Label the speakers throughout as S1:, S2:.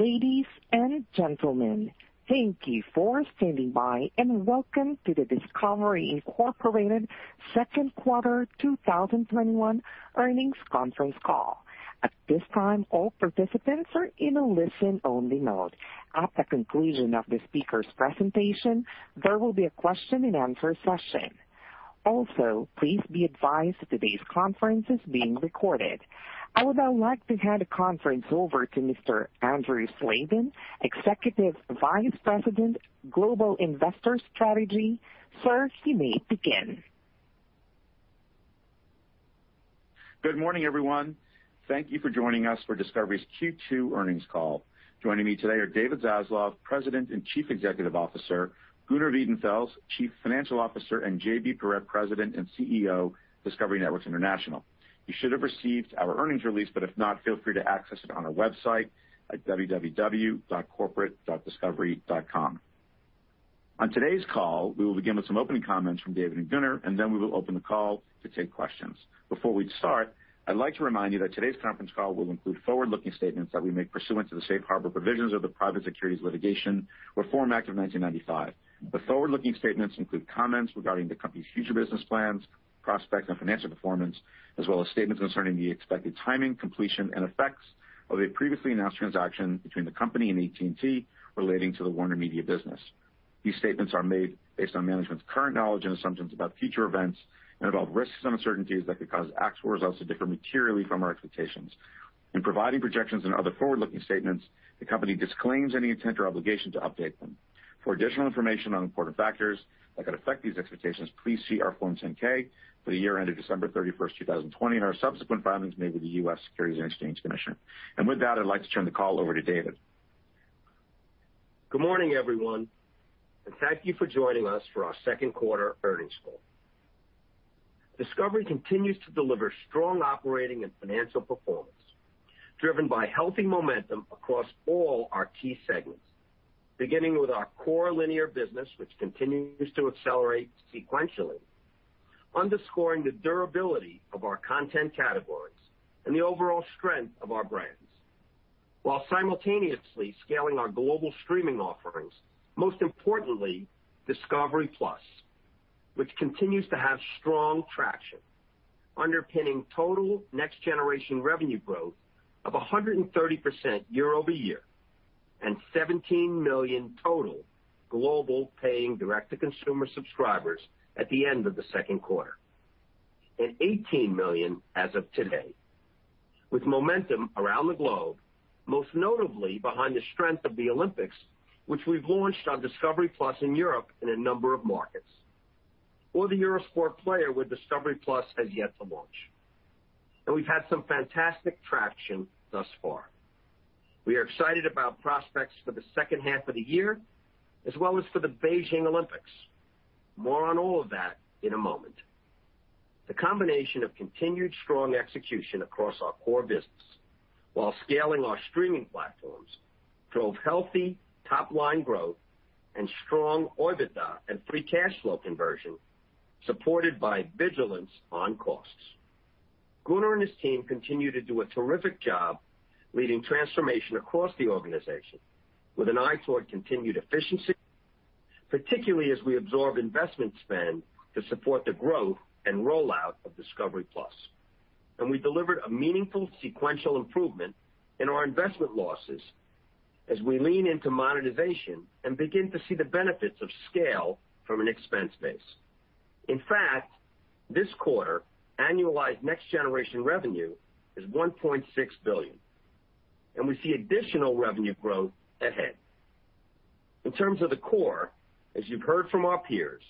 S1: Ladies and gentlemen, thank you for standing by and welcome to the Discovery, Inc. Second Quarter 2021 earnings conference call. At this time, all participants are in a listen-only mode. At the conclusion of the speakers' presentation, there will be a question-and-answer session. Please be advised that today's conference is being recorded. I would now like to hand the conference over to Mr. Andrew Slabin, Executive Vice President, Global Investor Strategy. Sir, you may begin.
S2: Good morning, everyone. Thank you for joining us for Discovery's Q2 earnings call. Joining me today are David Zaslav, President and Chief Executive Officer, Gunnar Wiedenfels, Chief Financial Officer, and JB Perrette, President and CEO of Discovery Networks International. You should have received our earnings release. If not, feel free to access it on our website at www.corporate.discovery.com. On today's call, we will begin with some opening comments from David and Gunnar. Then we will open the call to take questions. Before we start, I'd like to remind you that today's conference call will include forward-looking statements that we make pursuant to the safe harbor provisions of the Private Securities Litigation Reform Act of 1995. The forward-looking statements include comments regarding the company's future business plans, prospects, and financial performance, as well as statements concerning the expected timing, completion, and effects of a previously announced transaction between the company and AT&T relating to the WarnerMedia business. These statements are made based on management's current knowledge and assumptions about future events and involve risks and uncertainties that could cause actual results to differ materially from our expectations. In providing projections and other forward-looking statements, the company disclaims any intent or obligation to update them. For additional information on important factors that could affect these expectations, please see our Form 10-K for the year ended December 31st, 2020, and our subsequent filings made with the U.S. Securities and Exchange Commission. With that, I'd like to turn the call over to David.
S3: Good morning, everyone, and thank you for joining us for our second quarter earnings call. Discovery continues to deliver strong operating and financial performance driven by healthy momentum across all our key segments. Beginning with our core linear business, which continues to accelerate sequentially, underscoring the durability of our content categories and the overall strength of our brands, while simultaneously scaling our global streaming offerings, most importantly, discovery+, which continues to have strong traction underpinning total next generation revenue growth of 130% year-over-year and 17 million total global paying direct-to-consumer subscribers at the end of the second quarter, and 18 million as of today. With momentum around the globe, most notably behind the strength of the Olympics, which we've launched on discovery+ in Europe in a number of markets. For the Eurosport player with discovery+ has yet to launch. We've had some fantastic traction thus far. We are excited about prospects for the second half of the year as well as for the Beijing Olympics. More on all of that in a moment. The combination of continued strong execution across our core business while scaling our streaming platforms drove healthy top-line growth and strong OIBDA and free cash flow conversion, supported by vigilance on costs. Gunnar and his team continue to do a terrific job leading transformation across the organization with an eye toward continued efficiency, particularly as we absorb investment spend to support the growth and rollout of discovery+. We delivered a meaningful sequential improvement in our investment losses as we lean into monetization and begin to see the benefits of scale from an expense base. In fact, this quarter, annualized next generation revenue is $1.6 billion, and we see additional revenue growth ahead. In terms of the core, as you've heard from our peers,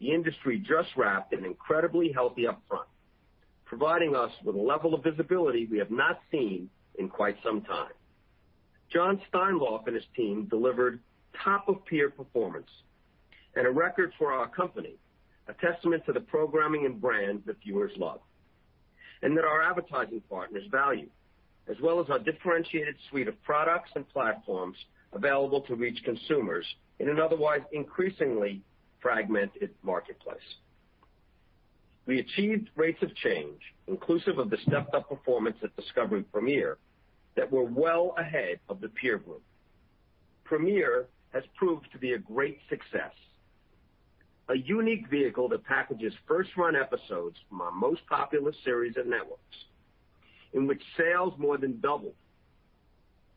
S3: the industry just wrapped an incredibly healthy upfront, providing us with a level of visibility we have not seen in quite some time. Jon Steinlauf and his team delivered top of peer performance and a record for our company, a testament to the programming and brands that viewers love and that our advertising partners value, as well as our differentiated suite of products and platforms available to reach consumers in an otherwise increasingly fragmented marketplace. We achieved rates of change inclusive of the stepped-up performance at Discovery Premiere that were well ahead of the peer group. Premiere has proved to be a great success, a unique vehicle that packages first-run episodes from our most popular series of networks, in which sales more than doubled.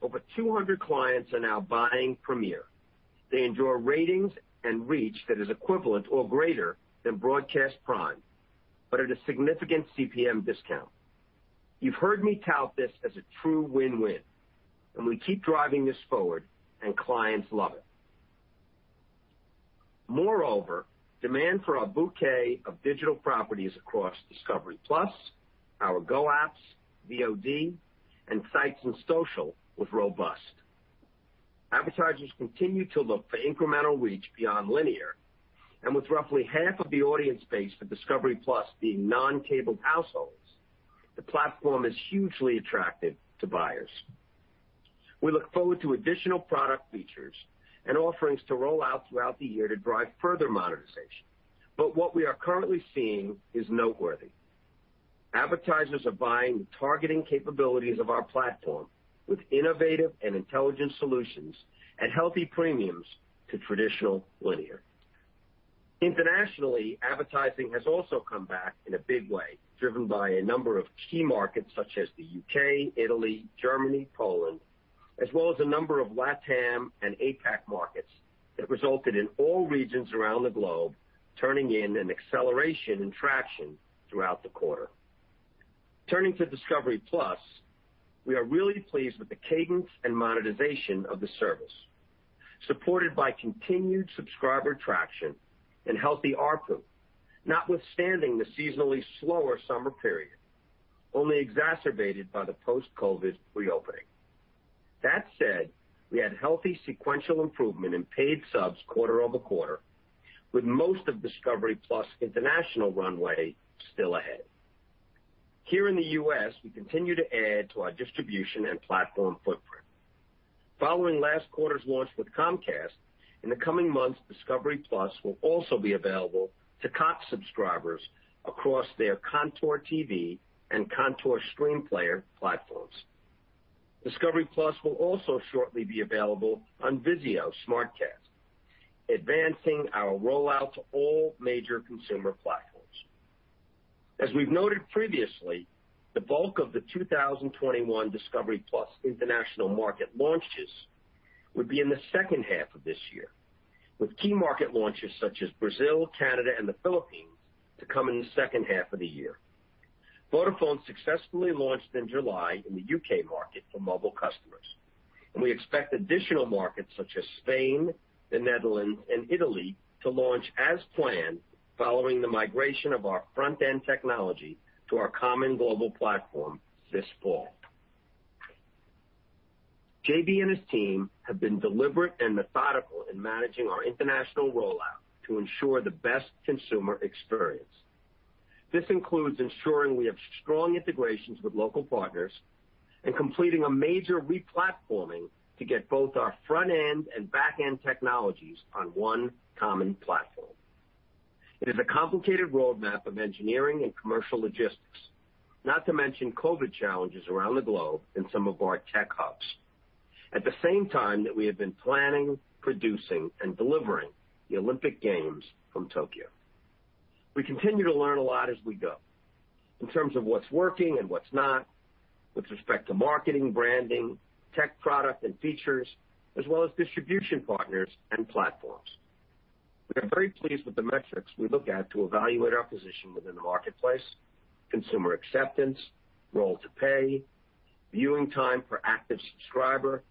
S3: Over 200 clients are now buying Premiere. They enjoy ratings and reach that is equivalent to or greater than broadcast prime, but at a significant CPM discount. You've heard me tout this as a true win-win, and we keep driving this forward and clients love it. Moreover, demand for our bouquet of digital properties across discovery+, our Go apps, VOD, and sites and social was robust. Advertisers continue to look for incremental reach beyond linear. With roughly half of the audience base for discovery+ being non-cabled households, the platform is hugely attractive to buyers. We look forward to additional product features and offerings to roll out throughout the year to drive further monetization. What we are currently seeing is noteworthy. Advertisers are buying the targeting capabilities of our platform with innovative and intelligent solutions and healthy premiums to traditional linear. Internationally, advertising has also come back in a big way, driven by a number of key markets such as the U.K., Italy, Germany, Poland, as well as a number of LATAM and APAC markets that resulted in all regions around the globe turning in an acceleration in traction throughout the quarter. Turning to discovery+, we are really pleased with the cadence and monetization of the service, supported by continued subscriber traction and healthy ARPU, notwithstanding the seasonally slower summer period, only exacerbated by the post-COVID reopening. That said, we had healthy sequential improvement in paid subs quarter-over-quarter, with most of discovery+ international runway still ahead. Here in the U.S., we continue to add to our distribution and platform footprint. Following last quarter's launch with Comcast, in the coming months, discovery+ will also be available to Cox subscribers across their Contour TV and Contour Stream Player platforms. Discovery+ will also shortly be available on Vizio SmartCast, advancing our rollout to all major consumer platforms. As we've noted previously, the bulk of the 2021 discovery+ international market launches will be in the second half of this year, with key market launches such as Brazil, Canada, and the Philippines to come in the second half of the year. Vodafone successfully launched in July in the U.K. market for mobile customers, and we expect additional markets such as Spain, the Netherlands, and Italy to launch as planned following the migration of our front-end technology to our common global platform this fall. JB and his team have been deliberate and methodical in managing our international rollout to ensure the best consumer experience. This includes ensuring we have strong integrations with local partners and completing a major replatforming to get both our front-end and back-end technologies on one common platform. It is a complicated roadmap of engineering and commercial logistics, not to mention COVID challenges around the globe in some of our tech hubs. At the same time that we have been planning, producing, and delivering the Olympic Games from Tokyo. We continue to learn a lot as we go in terms of what's working and what's not with respect to marketing, branding, tech product and features, as well as distribution partners and platforms. We are very pleased with the metrics we look at to evaluate our position within the marketplace, consumer acceptance, role to play, viewing time per active subscriber,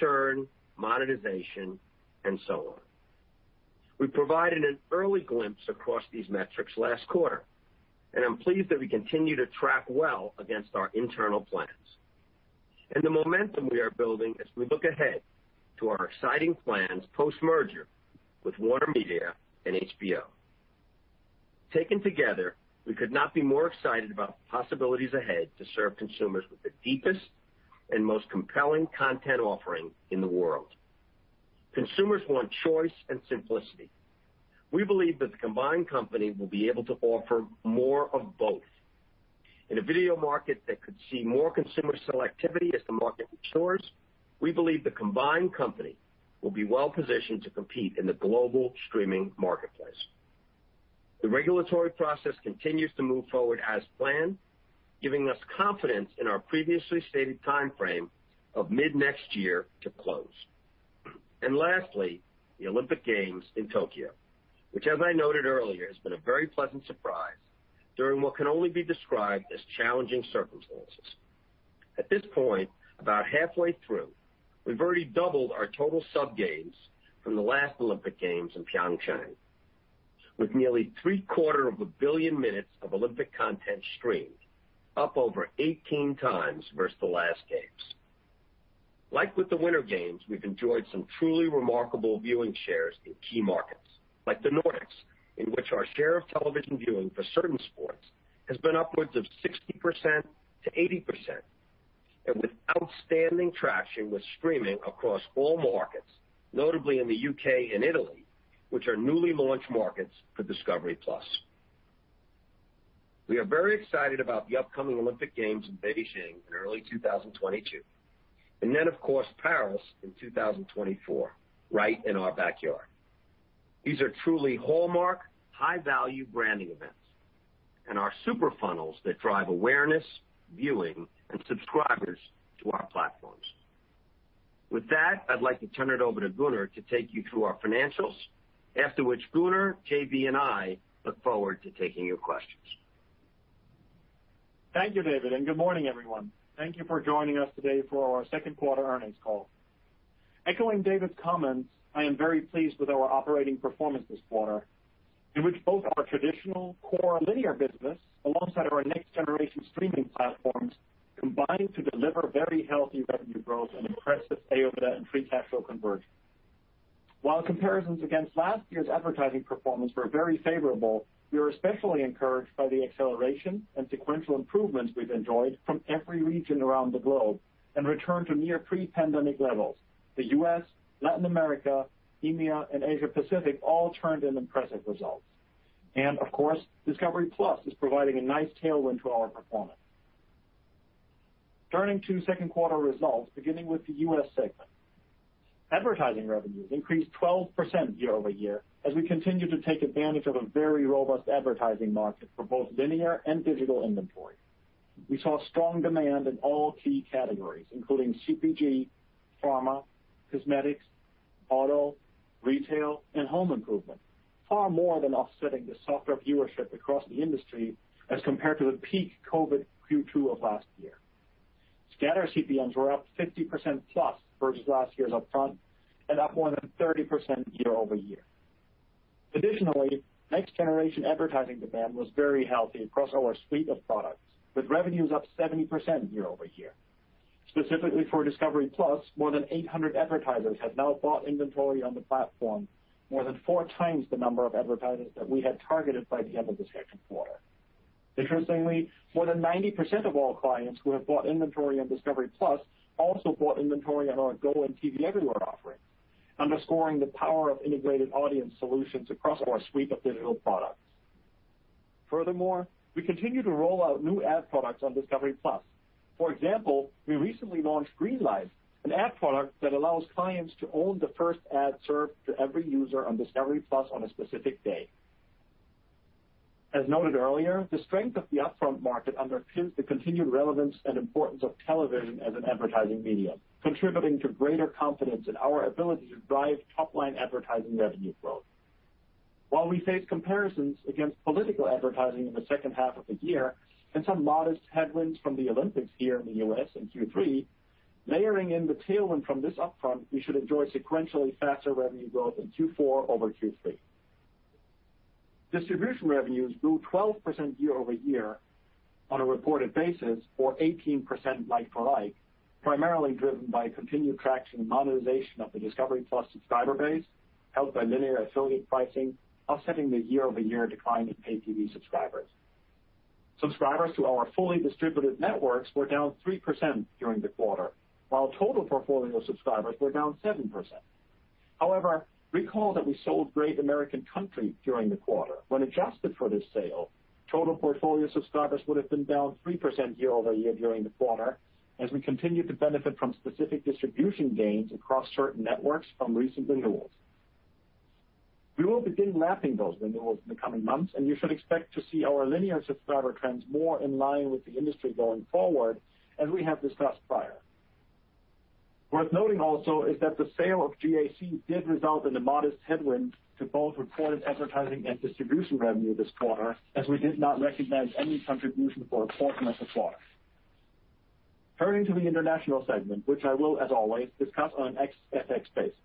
S3: churn, monetization, and so on. We provided an early glimpse across these metrics last quarter. I'm pleased that we continue to track well against our internal plans and the momentum we are building as we look ahead to our exciting plans post-merger with WarnerMedia and HBO. Taken together, we could not be more excited about the possibilities ahead to serve consumers with the deepest and most compelling content offering in the world. Consumers want choice and simplicity. We believe that the combined company will be able to offer more of both. In a video market that could see more consumer selectivity as the market matures, we believe the combined company will be well positioned to compete in the global streaming marketplace. The regulatory process continues to move forward as planned, giving us confidence in our previously stated timeframe of mid-next year to close. Lastly, the Olympic Games in Tokyo, which as I noted earlier, has been a very pleasant surprise during what can only be described as challenging circumstances. At this point, about halfway through, we've already doubled our total sub gains from the last Olympic Games in Pyeongchang, with nearly three-quarter of a billion minutes of Olympic content streamed, up over 18 times versus the last games. Like with the Winter Games, we've enjoyed some truly remarkable viewing shares in key markets like the Nordics, in which our share of television viewing for certain sports has been upwards of 60%-80%, and with outstanding traction with streaming across all markets, notably in the U.K. and Italy, which are newly launched markets for discovery+. We are very excited about the upcoming Olympic Games in Beijing in early 2022, and then of course, Paris in 2024, right in our backyard. These are truly hallmark high-value branding events and are super funnels that drive awareness, viewing, and subscribers to our platforms. With that, I'd like to turn it over to Gunnar to take you through our financials, after which Gunnar, JB, and I look forward to taking your questions.
S4: Thank you, David, good morning, everyone. Thank you for joining us today for our second quarter earnings call. Echoing David's comments, I am very pleased with our operating performance this quarter, in which both our traditional core linear business alongside our next generation streaming platforms combined to deliver very healthy revenue growth and impressive OIBDA and free cash flow conversion. While comparisons against last year's advertising performance were very favorable, we are especially encouraged by the acceleration and sequential improvements we've enjoyed from every region around the globe and return to near pre-pandemic levels. The U.S., Latin America, EMEA, and Asia Pacific all turned in impressive results. Of course, discovery+ is providing a nice tailwind to our performance. Turning to second quarter results, beginning with the U.S. segment. Advertising revenues increased 12% year-over-year as we continue to take advantage of a very robust advertising market for both linear and digital inventory. We saw strong demand in all key categories, including CPG, pharma, cosmetics, auto, retail, and home improvement, far more than offsetting the softer viewership across the industry as compared to the peak COVID Q2 of last year. Scatter CPMs were up 50%+ versus last year's upfront and up more than 30% year-over-year. Additionally, next generation advertising demand was very healthy across our suite of products, with revenues up 70% year-over-year. Specifically for discovery+, more than 800 advertisers have now bought inventory on the platform, more than four times the number of advertisers that we had targeted by the end of this second quarter. Interestingly, more than 90% of all clients who have bought inventory on discovery+ also bought inventory on our GO and TV Everywhere offering, underscoring the power of integrated audience solutions across our suite of digital products. We continue to roll out new ad products on discovery+. We recently launched Green Light, an ad product that allows clients to own the first ad served to every user on discovery+ on a specific day. As noted earlier, the strength of the upfront market underscores the continued relevance and importance of television as an advertising medium, contributing to greater confidence in our ability to drive top-line advertising revenue growth. While we face comparisons against political advertising in the second half of the year and some modest headwinds from the Olympics here in the U.S. in Q3, layering in the tailwind from this upfront, we should enjoy sequentially faster revenue growth in Q4 over Q3. Distribution revenues grew 12% year-over-year on a reported basis, or 18% like-for-like, primarily driven by continued traction and monetization of the discovery+ subscriber base, helped by linear affiliate pricing offsetting the year-over-year decline in paid TV subscribers. Subscribers to our fully distributed networks were down 3% during the quarter, while total portfolio subscribers were down 7%. However, recall that we sold Great American Country during the quarter. When adjusted for this sale, total portfolio subscribers would have been down 3% year-over-year during the quarter as we continued to benefit from specific distribution gains across certain networks from recent renewals. We will begin lapping those renewals in the coming months. You should expect to see our linear subscriber trends more in line with the industry going forward as we have discussed prior. Worth noting also is that the sale of GAC did result in a modest headwind to both reported advertising and distribution revenue this quarter, as we did not recognize any contribution for a fourth month of the quarter. Turning to the international segment, which I will, as always, discuss on an ex FX basis.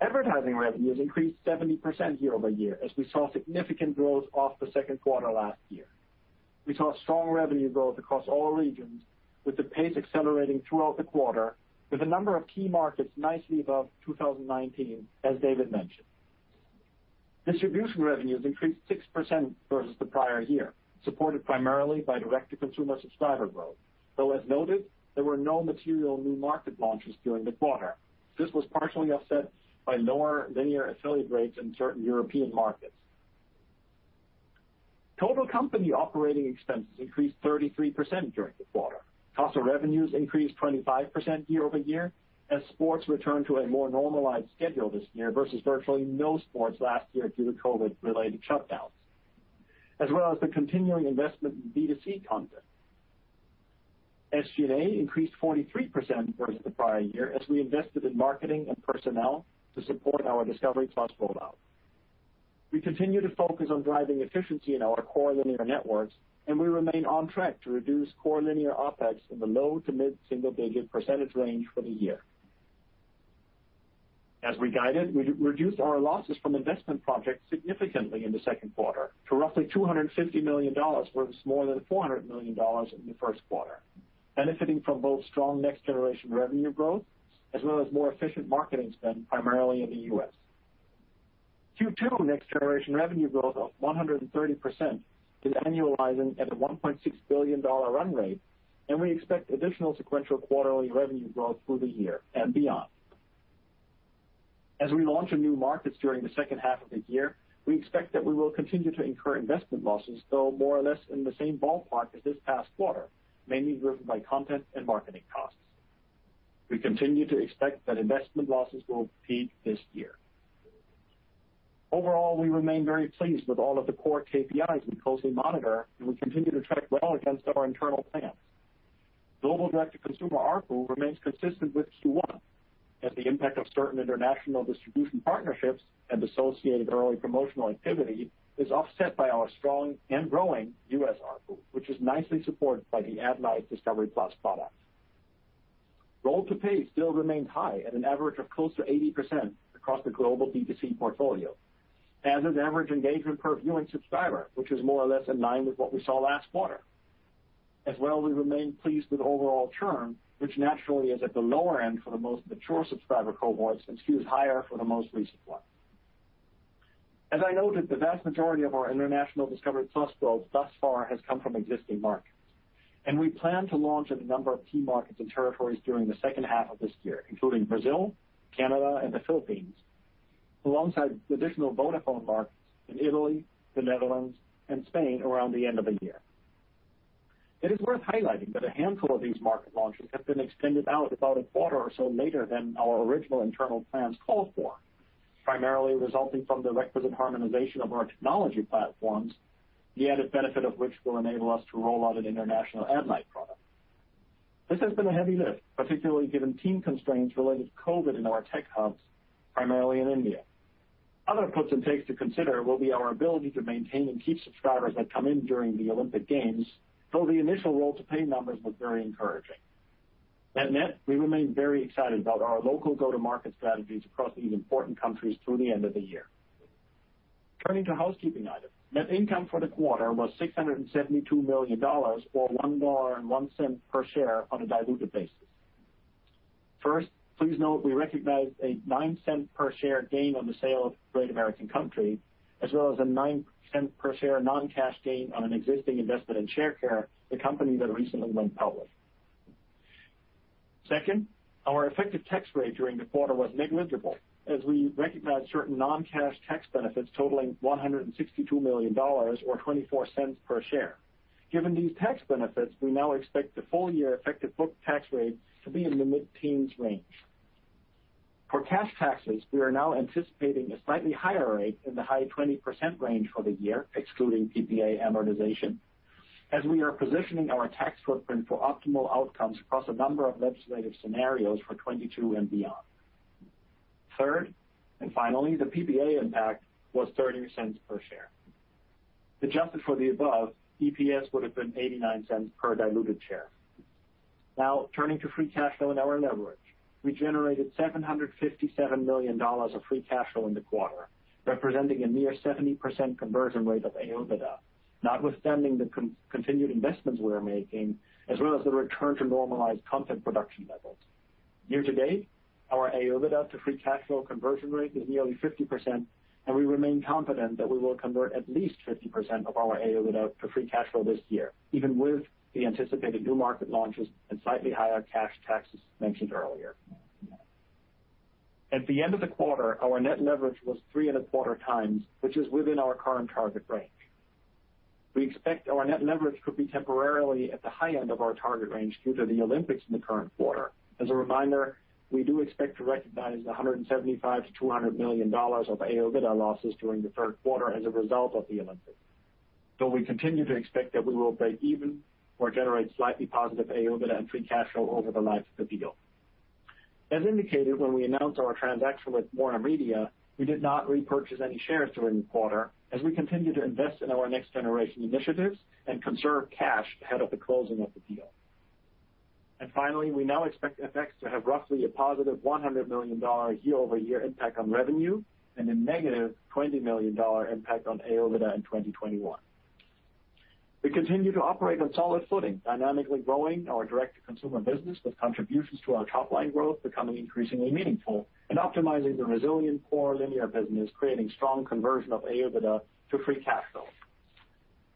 S4: Advertising revenues increased 70% year-over-year as we saw significant growth off the second quarter last year. We saw strong revenue growth across all regions, with the pace accelerating throughout the quarter with a number of key markets nicely above 2019, as David mentioned. Distribution revenues increased 6% versus the prior year, supported primarily by direct-to-consumer subscriber growth, though as noted, there were no material new market launches during the quarter. This was partially offset by lower linear affiliate rates in certain European markets. Total company operating expenses increased 33% during the quarter. Cost of revenues increased 25% year-over-year as sports returned to a more normalized schedule this year versus virtually no sports last year due to COVID-related shutdowns, as well as the continuing investment in B2C content. SG&A increased 43% versus the prior year as we invested in marketing and personnel to support our discovery+ rollout. We continue to focus on driving efficiency in our core linear networks, and we remain on track to reduce core linear OpEx in the low to mid-single-digit percentage range for the year. As we guided, we reduced our losses from investment projects significantly in the second quarter to roughly $250 million versus more than $400 million in the first quarter, benefiting from both strong next generation revenue growth as well as more efficient marketing spend, primarily in the U.S. Q2 next generation revenue growth of 130% is annualizing at a $1.6 billion run rate. We expect additional sequential quarterly revenue growth through the year and beyond. As we launch in new markets during the second half of the year, we expect that we will continue to incur investment losses, though more or less in the same ballpark as this past quarter, mainly driven by content and marketing costs. We continue to expect that investment losses will peak this year. Overall, we remain very pleased with all of the core KPIs we closely monitor, and we continue to track well against our internal plans. Global direct-to-consumer ARPU remains consistent with Q1 as the impact of certain international distribution partnerships and associated early promotional activity is offset by our strong and growing U.S. ARPU, which is nicely supported by the Ad-Lite discovery+ product. Roll to pay still remains high at an average of close to 80% across the global B2C portfolio, as is average engagement per viewing subscriber, which is more or less in line with what we saw last quarter. We remain pleased with overall churn, which naturally is at the lower end for the most mature subscriber cohorts and skews higher for the most recent ones. As I noted, the vast majority of our international discovery+ growth thus far has come from existing markets, and we plan to launch in a number of key markets and territories during the second half of this year, including Brazil, Canada, and the Philippines. Alongside additional Vodafone markets in Italy, the Netherlands, and Spain around the end of the year. It is worth highlighting that a handful of these market launches have been extended out about a quarter or so later than our original internal plans called for, primarily resulting from the requisite harmonization of our technology platforms, the added benefit of which will enable us to roll out an international AT&T product. This has been a heavy lift, particularly given team constraints related to COVID in our tech hubs, primarily in India. Other puts and takes to consider will be our ability to maintain and keep subscribers that come in during the Olympic Games, though the initial roll to pay numbers was very encouraging. At net, we remain very excited about our local go-to-market strategies across these important countries through the end of the year. Turning to housekeeping items. Net income for the quarter was $672 million, or $1.01 per share on a diluted basis. First, please note we recognized a $0.09 per share gain on the sale of Great American Country, as well as a $0.09 per share non-cash gain on an existing investment in Sharecare, the company that recently went public. Second, our effective tax rate during the quarter was negligible, as we recognized certain non-cash tax benefits totaling $162 million or $0.24 per share. Given these tax benefits, we now expect the full year effective book tax rate to be in the mid-teens range. For cash taxes, we are now anticipating a slightly higher rate in the high 20% range for the year, excluding PPA amortization, as we are positioning our tax footprint for optimal outcomes across a number of legislative scenarios for 2022 and beyond. Third, finally, the PPA impact was $0.30 per share. Adjusted for the above, EPS would have been $0.89 per diluted share. Turning to free cash flow and our leverage. We generated $757 million of free cash flow in the quarter, representing a near 70% conversion rate of Adjusted OIBDA, notwithstanding the continued investments we are making, as well as the return to normalized content production levels. Year to date, our OIBDA to free cash flow conversion rate is nearly 50%. We remain confident that we will convert at least 50% of our Adjusted OIBDA to free cash flow this year, even with the anticipated new market launches and slightly higher cash taxes mentioned earlier. At the end of the quarter, our net leverage was 3.25x, which is within our current target range. We expect our net leverage could be temporarily at the high end of our target range due to the Olympics in the current quarter. As a reminder, we do expect to recognize $175 million-$200 million of Adjusted OIBDA losses during the third quarter as a result of the Olympics. We continue to expect that we will break even or generate slightly positive Adjusted OIBDA and free cash flow over the life of the deal. As indicated when we announced our transaction with WarnerMedia, we did not repurchase any shares during the quarter as we continue to invest in our next generation initiatives and conserve cash ahead of the closing of the deal. Finally, we now expect FX to have roughly a positive $100 million year-over-year impact on revenue and a negative $20 million impact on Adjusted OIBDA in 2021. We continue to operate on solid footing, dynamically growing our direct-to-consumer business with contributions to our top-line growth becoming increasingly meaningful and optimizing the resilient core linear business, creating strong conversion of Adjusted OIBDA to free cash flow.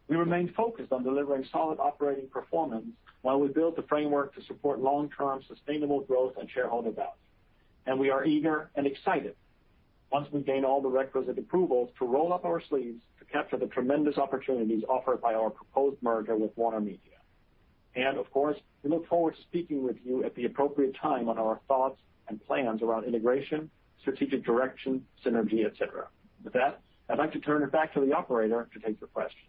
S4: We remain focused on delivering solid operating performance while we build the framework to support long-term sustainable growth and shareholder value. We are eager and excited once we gain all the requisite approvals to roll up our sleeves to capture the tremendous opportunities offered by our proposed merger with WarnerMedia. Of course, we look forward to speaking with you at the appropriate time on our thoughts and plans around integration, strategic direction, synergy, et cetera. With that, I'd like to turn it back to the operator to take the questions.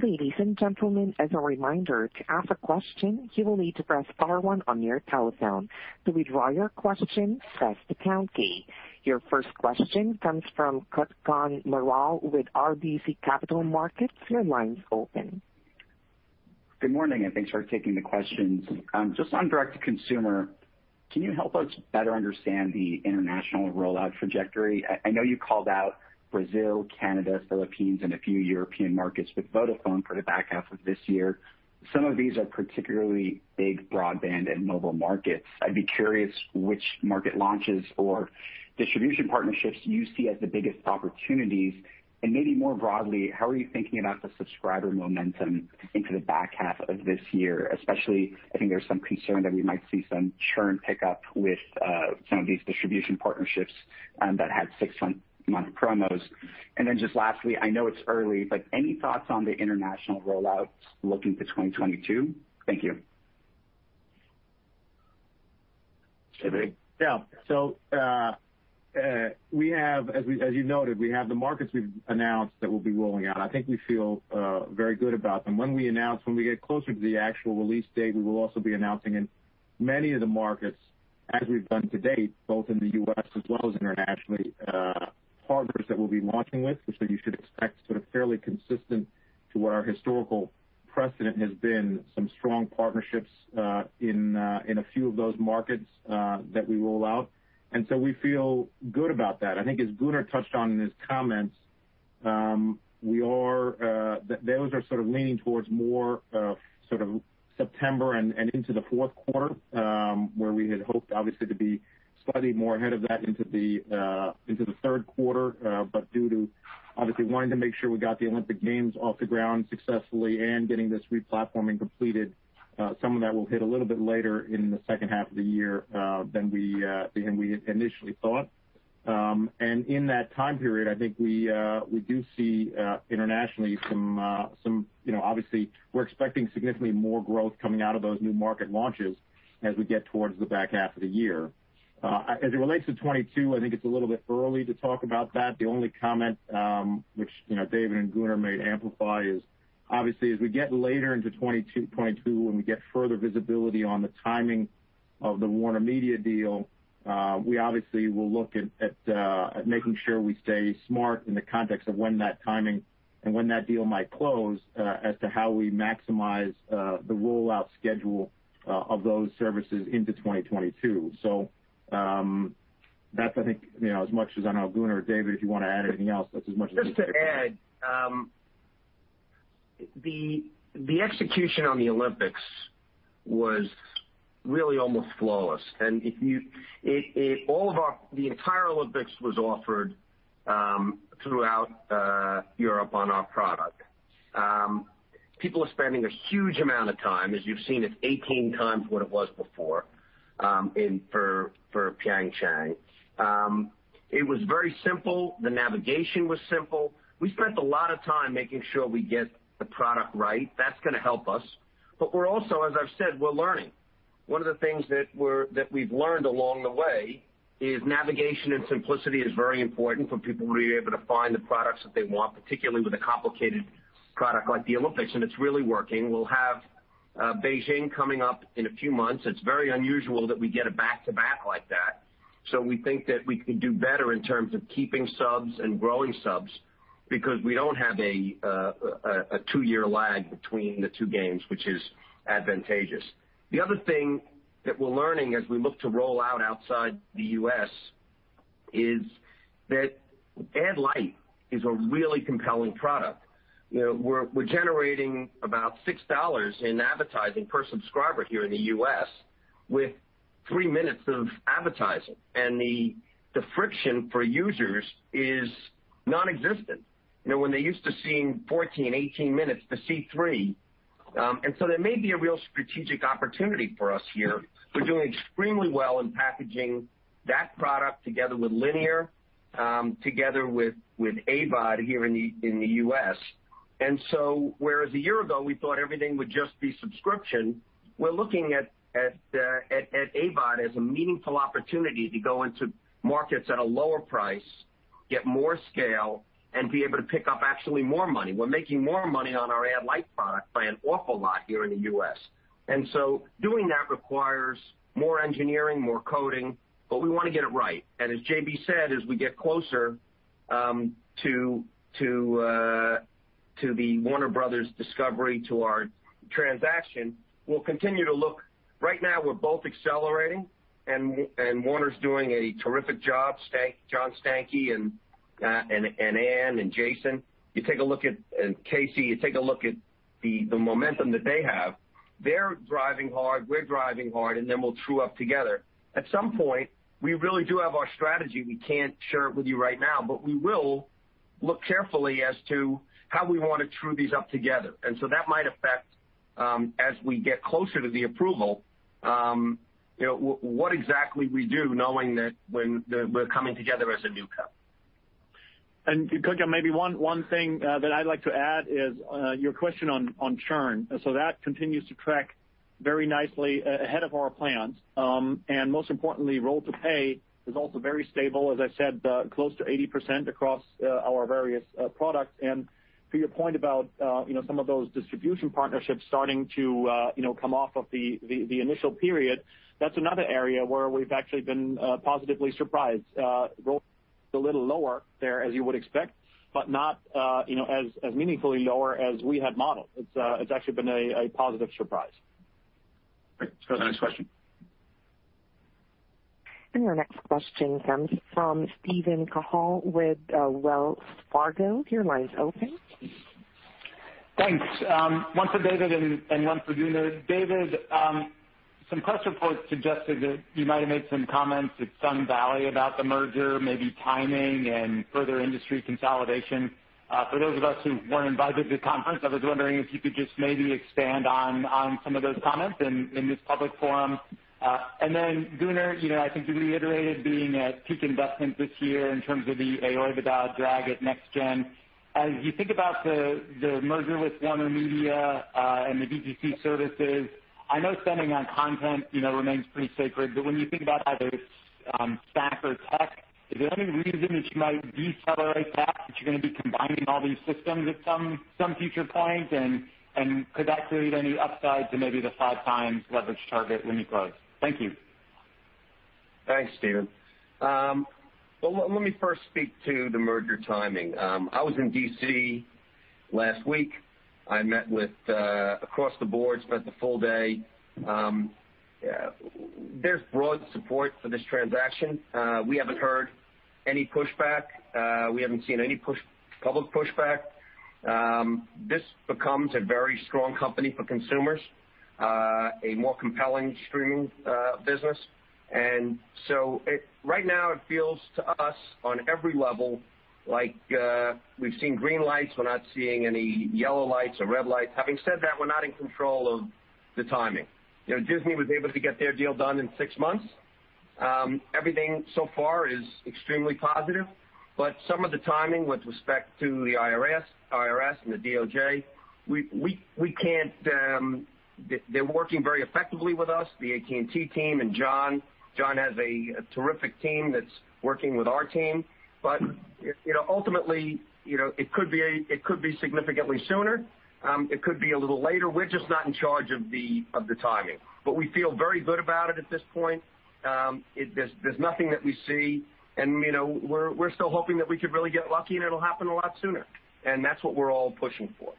S1: Ladies and gentlemen, as a reminder, to ask a question, you will need to press star one on your telephone. To withdraw your question, press the pound key. Your first question comes from Kutgun Maral with RBC Capital Markets. Your line's open.
S5: Good morning, thanks for taking the questions. Just on direct to consumer, can you help us better understand the international rollout trajectory? I know you called out Brazil, Canada, Philippines, and a few European markets with Vodafone for the back half of this year. Some of these are particularly big broadband and mobile markets. I'd be curious which market launches or distribution partnerships you see as the biggest opportunities, and maybe more broadly, how are you thinking about the subscriber momentum into the back half of this year? Especially, I think there's some concern that we might see some churn pick up with some of these distribution partnerships that had six-month promos. Just lastly, I know it's early, but any thoughts on the international rollout looking to 2022? Thank you.
S6: We have, as you noted, we have the markets we've announced that we'll be rolling out. I think we feel very good about them. When we get closer to the actual release date, we will also be announcing in many of the markets, as we've done to date, both in the U.S. as well as internationally, partners that we'll be launching with, which that you should expect sort of fairly consistent to what our historical precedent has been, some strong partnerships in a few of those markets that we roll out. We feel good about that. I think as Gunnar touched on in his comments, those are sort of leaning towards more sort of September and into the fourth quarter where we had hoped obviously to be slightly more ahead of that. into the third quarter. Due to obviously wanting to make sure we got the Olympic Games off the ground successfully and getting this re-platforming completed, some of that will hit a little bit later in the second half of the year than we initially thought. In that time period, I think we do see internationally, obviously, we're expecting significantly more growth coming out of those new market launches as we get towards the back half of the year. As it relates to 2022, I think it's a little bit early to talk about that. The only comment, which David and Gunnar may amplify is obviously as we get later into 2022, when we get further visibility on the timing of the WarnerMedia deal, we obviously will look at making sure we stay smart in the context of when that timing and when that deal might close as to how we maximize the rollout schedule of those services into 2022. That's, I think, as much as I know Gunnar or David, if you want to add anything else.
S3: Just to add. The execution on the Olympics was really almost flawless. The entire Olympics was offered throughout Europe on our product. People are spending a huge amount of time, as you've seen, it's 18 times what it was before, for Pyeongchang. It was very simple. The navigation was simple. We spent a lot of time making sure we get the product right. That's going to help us. We're also, as I've said, we're learning. One of the things that we've learned along the way is navigation and simplicity is very important for people to be able to find the products that they want, particularly with a complicated product like the Olympics, and it's really working. We'll have Beijing coming up in a few months. It's very unusual that we get it back-to-back like that. We think that we could do better in terms of keeping subs and growing subs because we don't have a two-year lag between the two games, which is advantageous. The other thing that we're learning as we look to roll out outside the U.S. is that Ad-Lite is a really compelling product. We're generating about $6 in advertising per subscriber here in the U.S. with three minutes of advertising, and the friction for users is nonexistent when they're used to seeing 14 minutes, 18 minutes to C3. There may be a real strategic opportunity for us here. We're doing extremely well in packaging that product together with linear, together with AVOD here in the U.S. Whereas a year ago, we thought everything would just be subscription, we're looking at AVOD as a meaningful opportunity to go into markets at a lower price, get more scale, and be able to pick up actually more money. We're making more money on our Ad-Lite product by an awful lot here in the U.S. Doing that requires more engineering, more coding, but we want to get it right. As JB said, as we get closer to the Warner Bros. Discovery, to our transaction, we'll continue to look. Right now, we're both accelerating and Warner's doing a terrific job. John Stankey and Ann and Jason. You take a look at Casey, you take a look at the momentum that they have. They're driving hard, we're driving hard, we'll true up together. At some point, we really do have our strategy. We can't share it with you right now, but we will look carefully as to how we want to true these up together. That might affect as we get closer to the approval, what exactly we do, knowing that when we're coming together as a new company.
S4: Kutgun, maybe one thing that I'd like to add is your question on churn. That continues to track very nicely ahead of our plans. Most importantly, roll to pay is also very stable, as I said, close to 80% across our various products. To your point about some of those distribution partnerships starting to come off of the initial period, that's another area where we've actually been positively surprised. Roll a little lower there as you would expect, but not as meaningfully lower as we had modeled. It's actually been a positive surprise.
S3: Great. Let's go to the next question.
S1: Your next question comes from Steven Cahall with Wells Fargo. Your line is open.
S7: Thanks. One for David and one for Gunnar. David, some press reports suggested that you might have made some comments at Sun Valley about the merger, maybe timing and further industry consolidation. For those of us who weren't invited to the conference, I was wondering if you could just maybe expand on some of those comments in this public forum. Gunnar, I think you reiterated being at peak investment this year in terms of the AVOD drag at NextGen. As you think about the merger with WarnerMedia and the D2C services, I know spending on content remains pretty sacred, but when you think about either stack or tech, is there any reason that you might decelerate that you're going to be combining all these systems at some future point? Could that create any upside to maybe the five times leverage target when you close? Thank you.
S3: Thanks, Steven. Well, let me first speak to the merger timing. I was in D.C. last week. I met with across the board, spent the full day. There's broad support for this transaction. We haven't heard any pushback. We haven't seen any public pushback. This becomes a very strong company for consumers, a more compelling streaming business. Right now it feels to us on every level like we've seen green lights. We're not seeing any yellow lights or red lights. Having said that, we're not in control of the timing. Disney was able to get their deal done in six months. Everything so far is extremely positive. Some of the timing with respect to the IRS and the DOJ, they're working very effectively with us, the AT&T team and John Stankey. John Stankey has a terrific team that's working with our team. Ultimately, it could be significantly sooner. It could be a little later. We're just not in charge of the timing. We feel very good about it at this point. There's nothing that we see, and we're still hoping that we could really get lucky, and it'll happen a lot sooner. That's what we're all pushing for.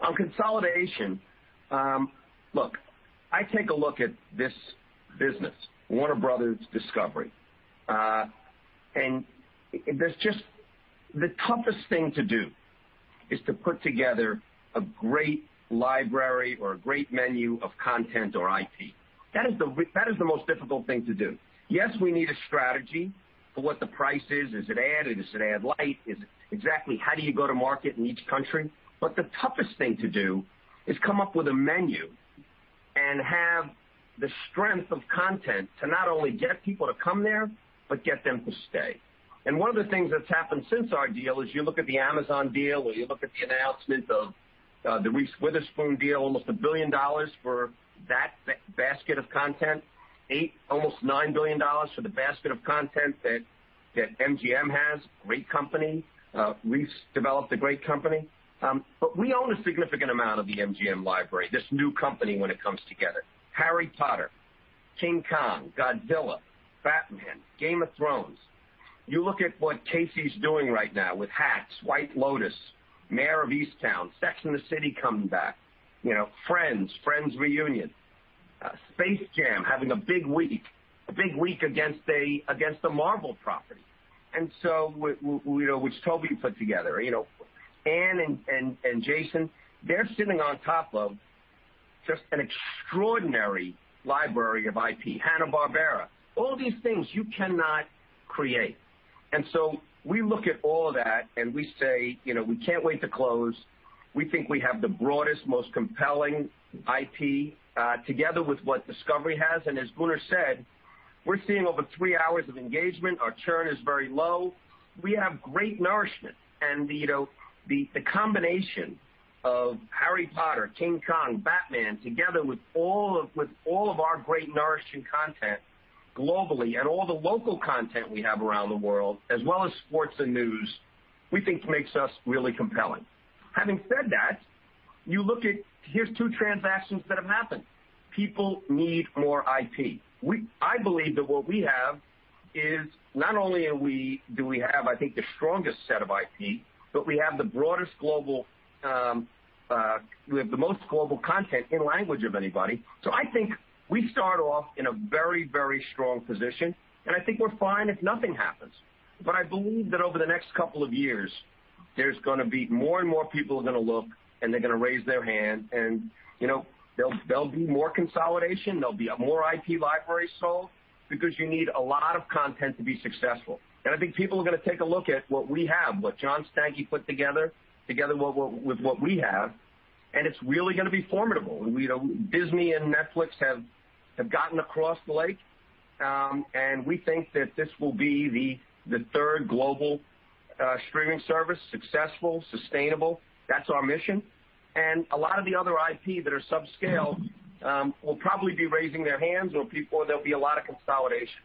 S3: On consolidation, look, I take a look at this business, Warner Bros. Discovery, and the toughest thing to do is to put together a great library or a great menu of content or IP. That is the most difficult thing to do. Yes, we need a strategy for what the price is. Is it ad, or is it Ad-Lite? Exactly how do you go to market in each country? The toughest thing to do is come up with a menu and have the strength of content to not only get people to come there but get them to stay. One of the things that's happened since our deal is you look at the Amazon deal, or you look at the announcement of the Reese Witherspoon deal, almost $1 billion for that basket of content, almost $9 billion for the basket of content that MGM has. Great company. Reese developed a great company. We own a significant amount of the MGM library, this new company, when it comes together. Harry Potter, King Kong, Godzilla, Batman, Game of Thrones. You look at what Casey's doing right now with Hacks, The White Lotus, Mare of Easttown, Sex and the City coming back, Friends: The Reunion, Space Jam having a big week against the Marvel property, which Toby put together. Ann and Jason, they're sitting on top of just an extraordinary library of IP, Hanna-Barbera. All these things you cannot create. We look at all of that, and we say, "We can't wait to close." We think we have the broadest, most compelling IP, together with what Discovery has. As Gunnar said, we're seeing over three hours of engagement. Our churn is very low. We have great nourishment. The combination of Harry Potter, King Kong, Batman, together with all of our great nourishing content globally and all the local content we have around the world, as well as sports and news, we think makes us really compelling. Having said that, here are two transactions that have happened. People need more IP. I believe that what we have is not only do we have, I think, the strongest set of IP, but we have the most global content in language of anybody. I think we start off in a very strong position, and I think we're fine if nothing happens. I believe that over the next couple of years, there's going to be more and more people are going to look, and they're going to raise their hand, and there'll be more consolidation. There'll be more IP libraries sold because you need a lot of content to be successful. I think people are going to take a look at what we have, what John Stankey put together with what we have, and it's really going to be formidable. Disney and Netflix have gotten across the lake. We think that this will be the third global streaming service, successful, sustainable. That's our mission. A lot of the other IP that are subscale will probably be raising their hands or there'll be a lot of consolidation.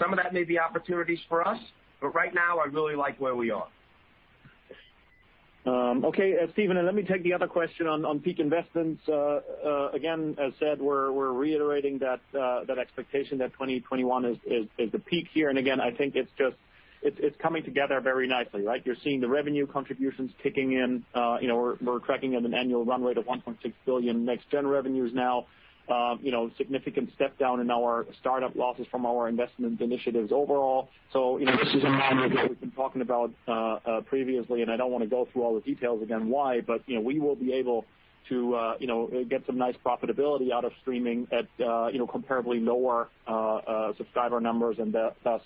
S3: Some of that may be opportunities for us. Right now, I really like where we are.
S4: Okay, Steven, let me take the other question on peak investments. Again, as said, we're reiterating that expectation that 2021 is the peak year. Again, I think it's coming together very nicely, right? You're seeing the revenue contributions kicking in. We're tracking at an annual run rate of $1.6 billion next gen revenues now, significant step down in our startup losses from our investment initiatives overall. This is a time that we've been talking about previously, and I don't want to go through all the details again why, but we will be able to get some nice profitability out of streaming at comparably lower subscriber numbers and thus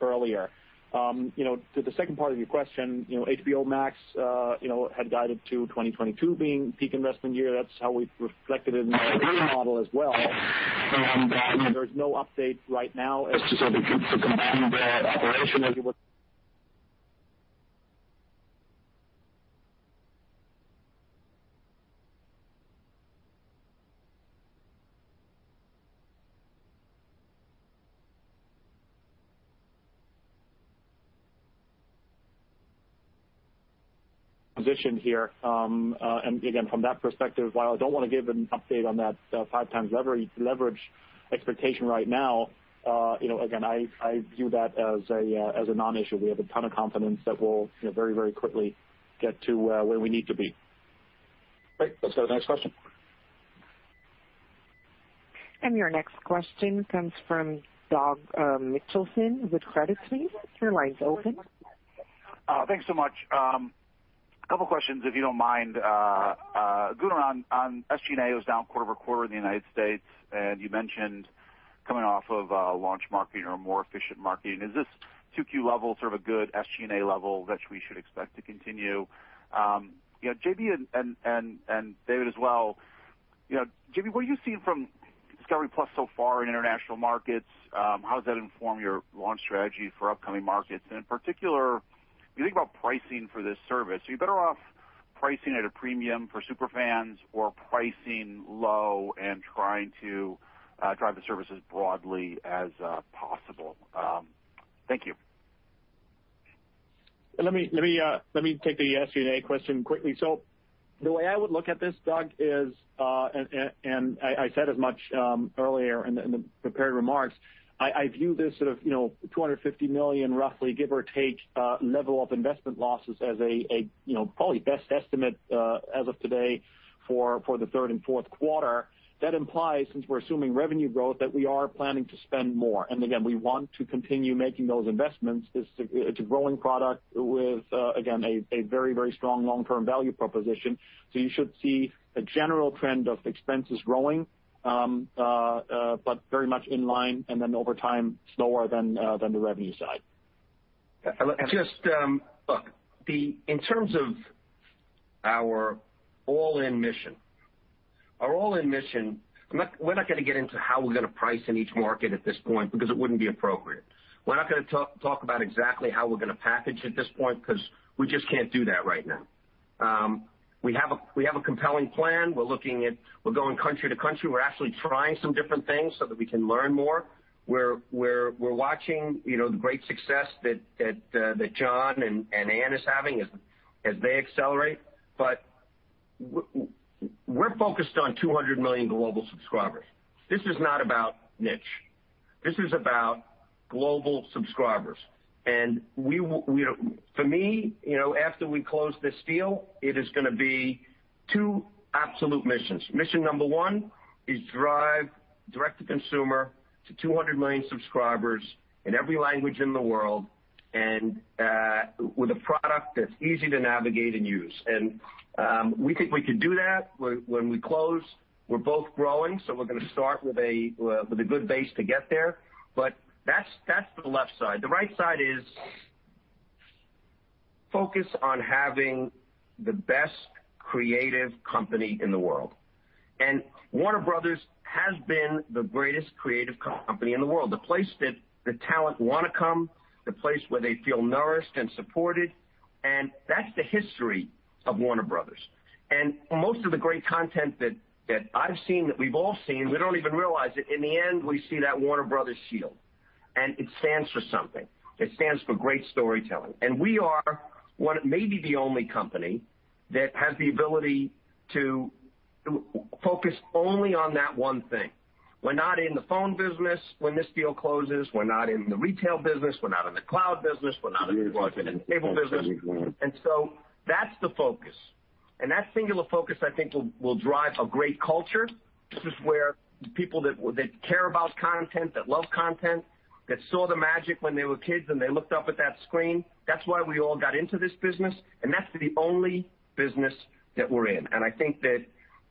S4: earlier. To the second part of your question, HBO Max had guided to 2022 being peak investment year. That's how we've reflected it in our model as well. There's no update right now as to combining that operation as you would. Position here. Again, from that perspective, while I don't want to give an update on that 5 times leverage expectation right now, again, I view that as a non-issue. We have a ton of confidence that we'll very quickly get to where we need to be.
S3: Great. Let's go to the next question.
S1: Your next question comes from Doug Mitchelson with Credit Suisse. Your line's open
S8: Thanks so much. A couple questions, if you don't mind. Gunnar, on SG&A was down quarter-over-quarter in the U.S. You mentioned coming off of launch marketing or more efficient marketing. Is this 2Q level sort of a good SG&A level that we should expect to continue? JB and David as well, JB, what do you see from discovery+ so far in international markets? How does that inform your launch strategy for upcoming markets? In particular, when you think about pricing for this service, are you better off pricing at a premium for super fans or pricing low and trying to drive the services broadly as possible? Thank you.
S4: Let me take the SG&A question quickly. The way I would look at this, Doug, is and I said as much earlier in the prepared remarks, I view this sort of $250 million roughly, give or take, level of investment losses as a probably best estimate as of today for the third and fourth quarter. That implies, since we're assuming revenue growth, that we are planning to spend more. Again, we want to continue making those investments. It's a growing product with again, a very strong long-term value proposition. You should see a general trend of expenses growing, but very much in line and then over time, slower than the revenue side.
S3: Just look, in terms of our all-in mission, we're not going to get into how we're going to price in each market at this point because it wouldn't be appropriate. We're not going to talk about exactly how we're going to package at this point because we just can't do that right now. We have a compelling plan. We're looking at going country to country. We're actually trying some different things so that we can learn more. We're watching the great success that Jon and Ann is having as they accelerate. We're focused on 200 million global subscribers. This is not about niche. This is about global subscribers. For me, after we close this deal, it is going to be two absolute missions. Mission number one is drive direct-to-consumer to 200 million subscribers in every language in the world with a product that's easy to navigate and use. We think we can do that when we close. We're both growing, so we're going to start with a good base to get there. That's the left side. The right side is focus on having the best creative company in the world. Warner Bros. has been the greatest creative company in the world, the place that the talent want to come, the place where they feel nourished and supported, that's the history of Warner Bros. Most of the great content that I've seen, that we've all seen, we don't even realize it. In the end, we see that Warner Bros. shield, and it stands for something. It stands for great storytelling. We are maybe the only company that has the ability to focus only on that one thing. We're not in the phone business when this deal closes. We're not in the retail business. We're not in the cloud business. We're not in the cable business. That's the focus. That singular focus, I think will drive a great culture. This is where people that care about content, that love content, that saw the magic when they were kids, and they looked up at that screen. That's why we all got into this business, and that's the only business that we're in. I think that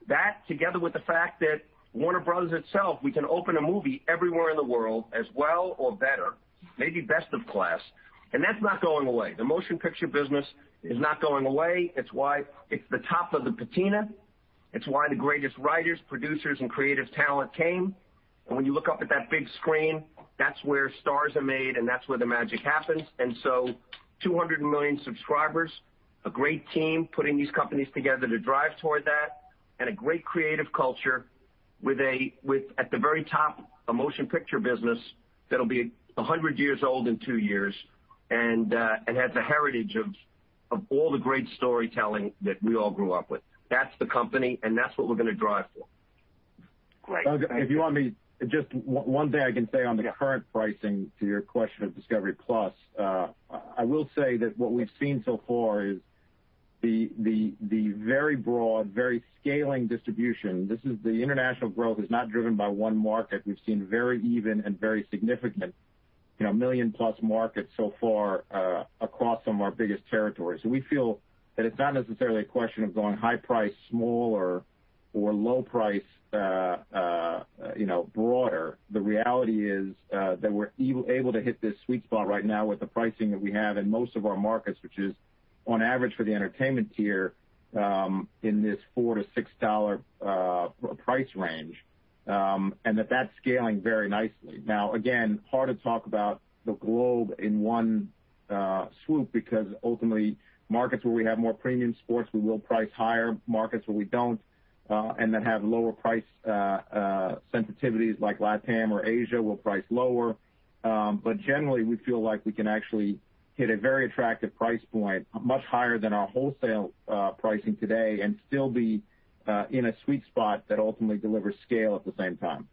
S3: that together with the fact that Warner Bros. itself, we can open a movie everywhere in the world as well or better, maybe best of class, and that's not going away. The motion picture business is not going away. It's the top of the pinnacle. It's why the greatest writers, producers, and creative talent came. When you look up at that big screen, that's where stars are made, and that's where the magic happens. 200 million subscribers, a great team putting these companies together to drive toward that, a great creative culture with at the very top, a motion picture business that'll be 100 years old in two years and has a heritage of all the great storytelling that we all grew up with. That's the company, and that's what we're going to drive for.
S8: Great. Thank you.
S6: If you want me, just one thing I can say on the current pricing to your question of discovery+. I will say that what we've seen so far is the very broad, very scaling distribution. The international growth is not driven by one market. We've seen very even and very significant million-plus markets so far across some of our biggest territories. We feel that it's not necessarily a question of going high price smaller or low price broader. The reality is that we're able to hit this sweet spot right now with the pricing that we have in most of our markets, which is on average for the entertainment tier in this $4-$6 price range. That that's scaling very nicely. Again, hard to talk about the globe in one swoop because ultimately, markets where we have more premium sports, we will price higher. Markets where we don't and that have lower price sensitivities like LATAM or Asia, we'll price lower. Generally, we feel like we can actually hit a very attractive price point much higher than our wholesale pricing today and still be in a sweet spot that ultimately delivers scale at the same time.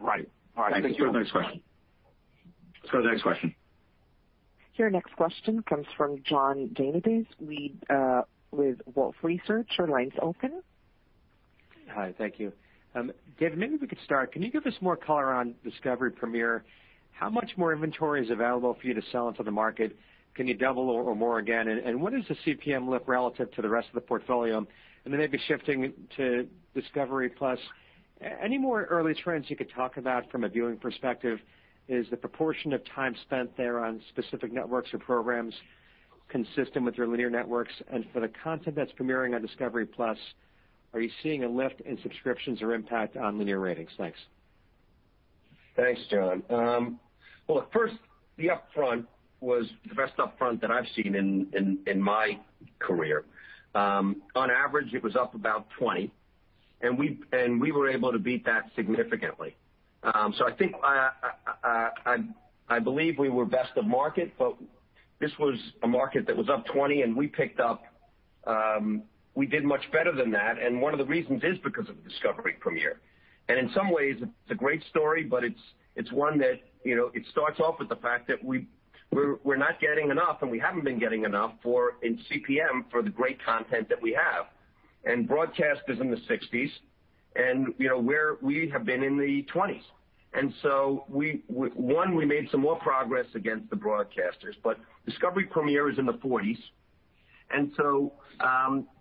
S8: Right. All right. Thank you.
S3: Let's go to the next question.
S1: Your next question comes from John Janedis with Wolfe Research. Your line's open.
S9: Hi, thank you. David, maybe we could start. Can you give us more color on Discovery Premiere? How much more inventory is available for you to sell into the market? Can you double or more again? What does the CPM look relative to the rest of the portfolio? Maybe shifting to discovery+, any more early trends you could talk about from a viewing perspective? Is the proportion of time spent there on specific networks or programs consistent with your linear networks? For the content that's premiering on discovery+, are you seeing a lift in subscriptions or impact on linear ratings? Thanks.
S3: Thanks, John. Well, look, first, the upfront was the best upfront that I've seen in my career. On average, it was up about 20%, and we were able to beat that significantly. I believe we were best of market, but this was a market that was up 20% and we did much better than that, and one of the reasons is because of Discovery Premiere. In some ways it's a great story, but it starts off with the fact that we're not getting enough and we haven't been getting enough in CPM for the great content that we have. Broadcast is in the 60s% and we have been in the 20s%. We made some more progress against the broadcasters, but Discovery Premiere is in the 40s%.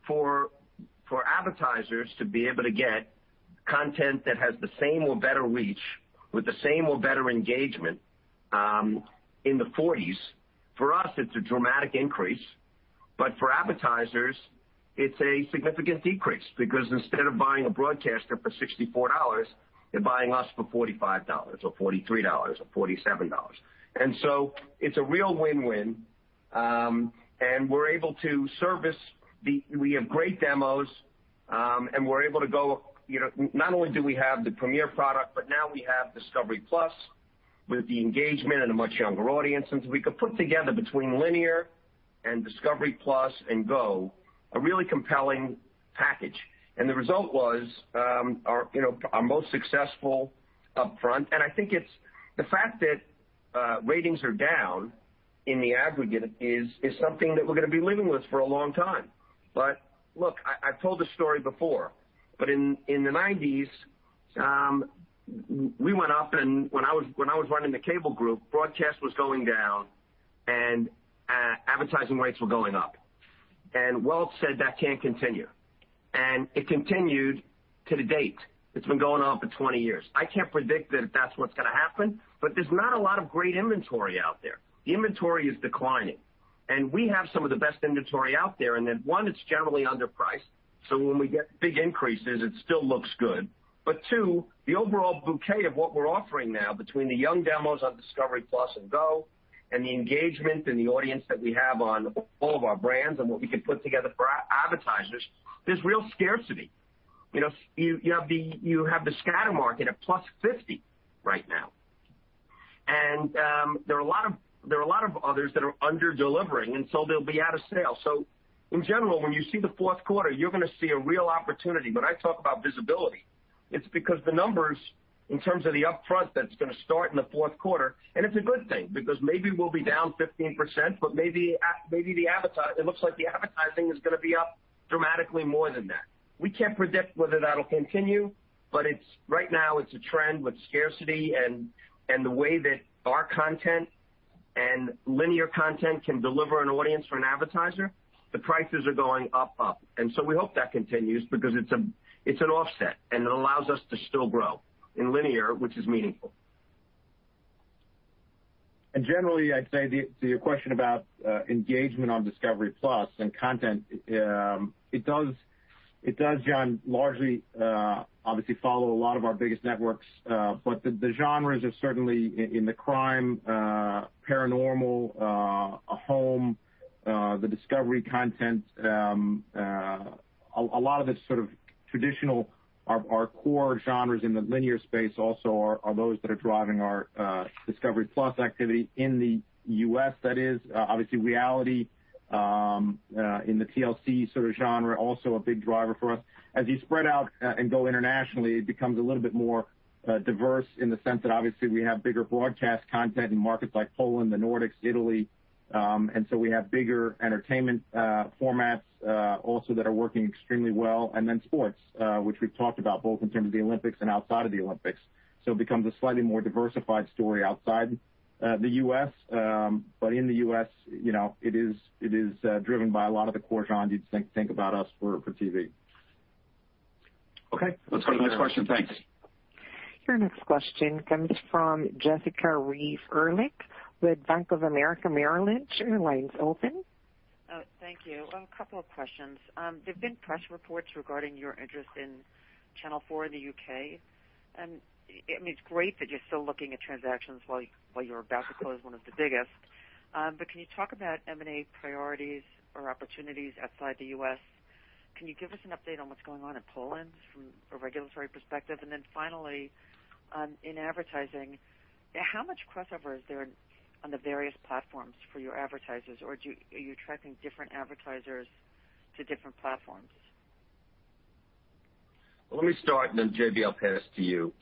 S3: For advertisers to be able to get content that has the same or better reach with the same or better engagement, in the 40s%, for us it's a dramatic increase. For advertisers, it's a significant decrease because instead of buying a broadcaster for $64, they're buying us for $45 or $43 or $47. It's a real win-win, and we have great demos, and we're able to go. Not only do we have the Premiere product, but now we have discovery+ with the engagement and a much younger audience. We could put together between linear and discovery+ and GO, a really compelling package. The result was our most successful upfront. I think it's the fact that ratings are down in the aggregate is something that we're going to be living with for a long time. Look, I've told this story before, but in the 1990s, we went up and when I was running the cable group, broadcast was going down and advertising rates were going up. Welch said that can't continue, and it continued to date. It's been going on for 20 years. I can't predict that that's what's going to happen, but there's not a lot of great inventory out there. Inventory is declining, and we have some of the best inventory out there. One, it's generally underpriced, so when we get big increases, it still looks good. Two, the overall bouquet of what we're offering now between the young demos on discovery+ and GO and the engagement and the audience that we have on all of our brands and what we can put together for advertisers, there's real scarcity. You have the scatter market at +50% right now. There are a lot of others that are under-delivering, and so they'll be out of sale. In general, when you see the fourth quarter, you're going to see a real opportunity. When I talk about visibility, it's because the numbers in terms of the upfront that's going to start in the fourth quarter. It's a good thing because maybe we'll be down 15%, but it looks like the advertising is going to be up dramatically more than that. We can't predict whether that'll continue, but right now it's a trend with scarcity and the way that our content and linear content can deliver an audience for an advertiser. The prices are going up. We hope that continues because it's an offset, and it allows us to still grow in linear, which is meaningful.
S6: Generally, I'd say to your question about engagement on discovery+ and content, it does, John, largely, obviously follow a lot of our biggest networks. The genres are certainly in the crime, paranormal, home, the Discovery content. A lot of it's sort of traditional. Our core genres in the linear space also are those that are driving our discovery+ activity in the U.S. That is obviously reality, in the TLC sort of genre, also a big driver for us. As you spread out and go internationally, it becomes a little bit more diverse in the sense that obviously we have bigger broadcast content in markets like Poland, the Nordics, Italy. We have bigger entertainment formats also that are working extremely well. Sports, which we've talked about both in terms of the Olympics and outside of the Olympics. It becomes a slightly more diversified story outside the U.S., but in the U.S. it is driven by a lot of the core genres you'd think about us for TV.
S9: Okay.
S3: Let's go to the next question. Thanks.
S1: Your next question comes from Jessica Reif Ehrlich with Bank of America, Merrill Lynch. Your line's open.
S10: Thank you. A couple of questions. There's been press reports regarding your interest in Channel 4 in the U.K. I mean, it's great that you're still looking at transactions while you're about to close one of the biggest. Can you talk about M&A priorities or opportunities outside the U.S.? Can you give us an update on what's going on in Poland from a regulatory perspective? Finally, in advertising, how much crossover is there on the various platforms for your advertisers? Are you attracting different advertisers to different platforms?
S3: Let me start and then JB, I'll pass to you.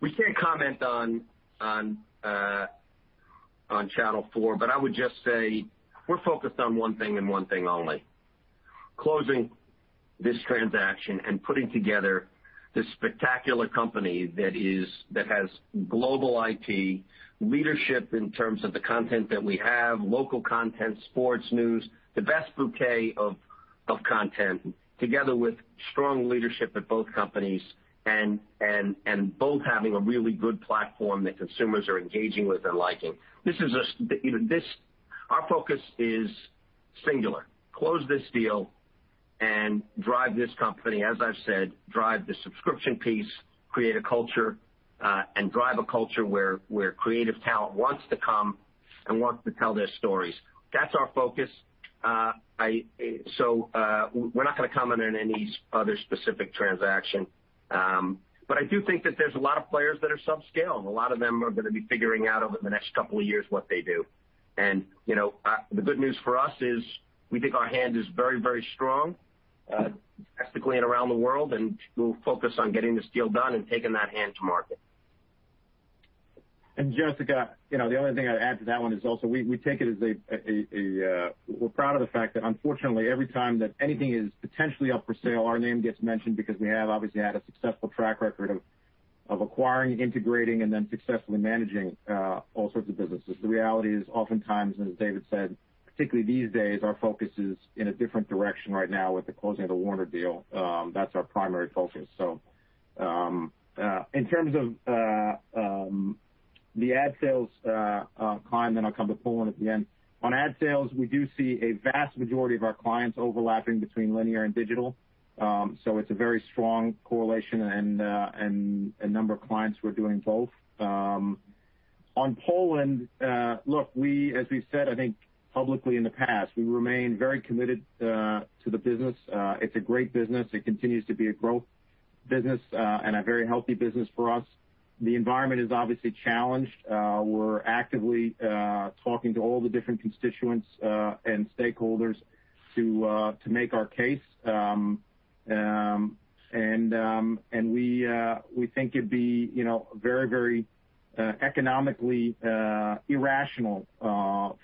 S3: We can't comment on Channel 4. I would just say we're focused on one thing and one thing only, closing this transaction and putting together this spectacular company that has global IP leadership in terms of the content that we have, local content, sports news, the best bouquet of content together with strong leadership at both companies and both having a really good platform that consumers are engaging with and liking. Our focus is singular. Close this deal and drive this company, as I've said, drive the subscription piece, create a culture, and drive a culture where creative talent wants to come and wants to tell their stories. That's our focus. We're not going to comment on any other specific transaction. I do think that there's a lot of players that are subscale, and a lot of them are going to be figuring out over the next couple of years what they do. The good news for us is we think our hand is very, very strong domestically and around the world, and we're focused on getting this deal done and taking that hand to market.
S6: Jessica, the only thing I'd add to that one is also we're proud of the fact that unfortunately every time that anything is potentially up for sale, our name gets mentioned because we have obviously had a successful track record of acquiring, integrating, and then successfully managing all sorts of businesses. The reality is oftentimes, as David said, particularly these days, our focus is in a different direction right now with the closing of the Warner deal. That's our primary focus. In terms of the ad sales climb, then I'll come to Poland at the end. On ad sales, we do see a vast majority of our clients overlapping between linear and digital. It's a very strong correlation and a number of clients who are doing both. On Poland, look, as we've said, I think publicly in the past, we remain very committed to the business. It's a great business. It continues to be a growth business, and a very healthy business for us. The environment is obviously challenged. We're actively talking to all the different constituents, and stakeholders to make our case. We think it'd be very economically irrational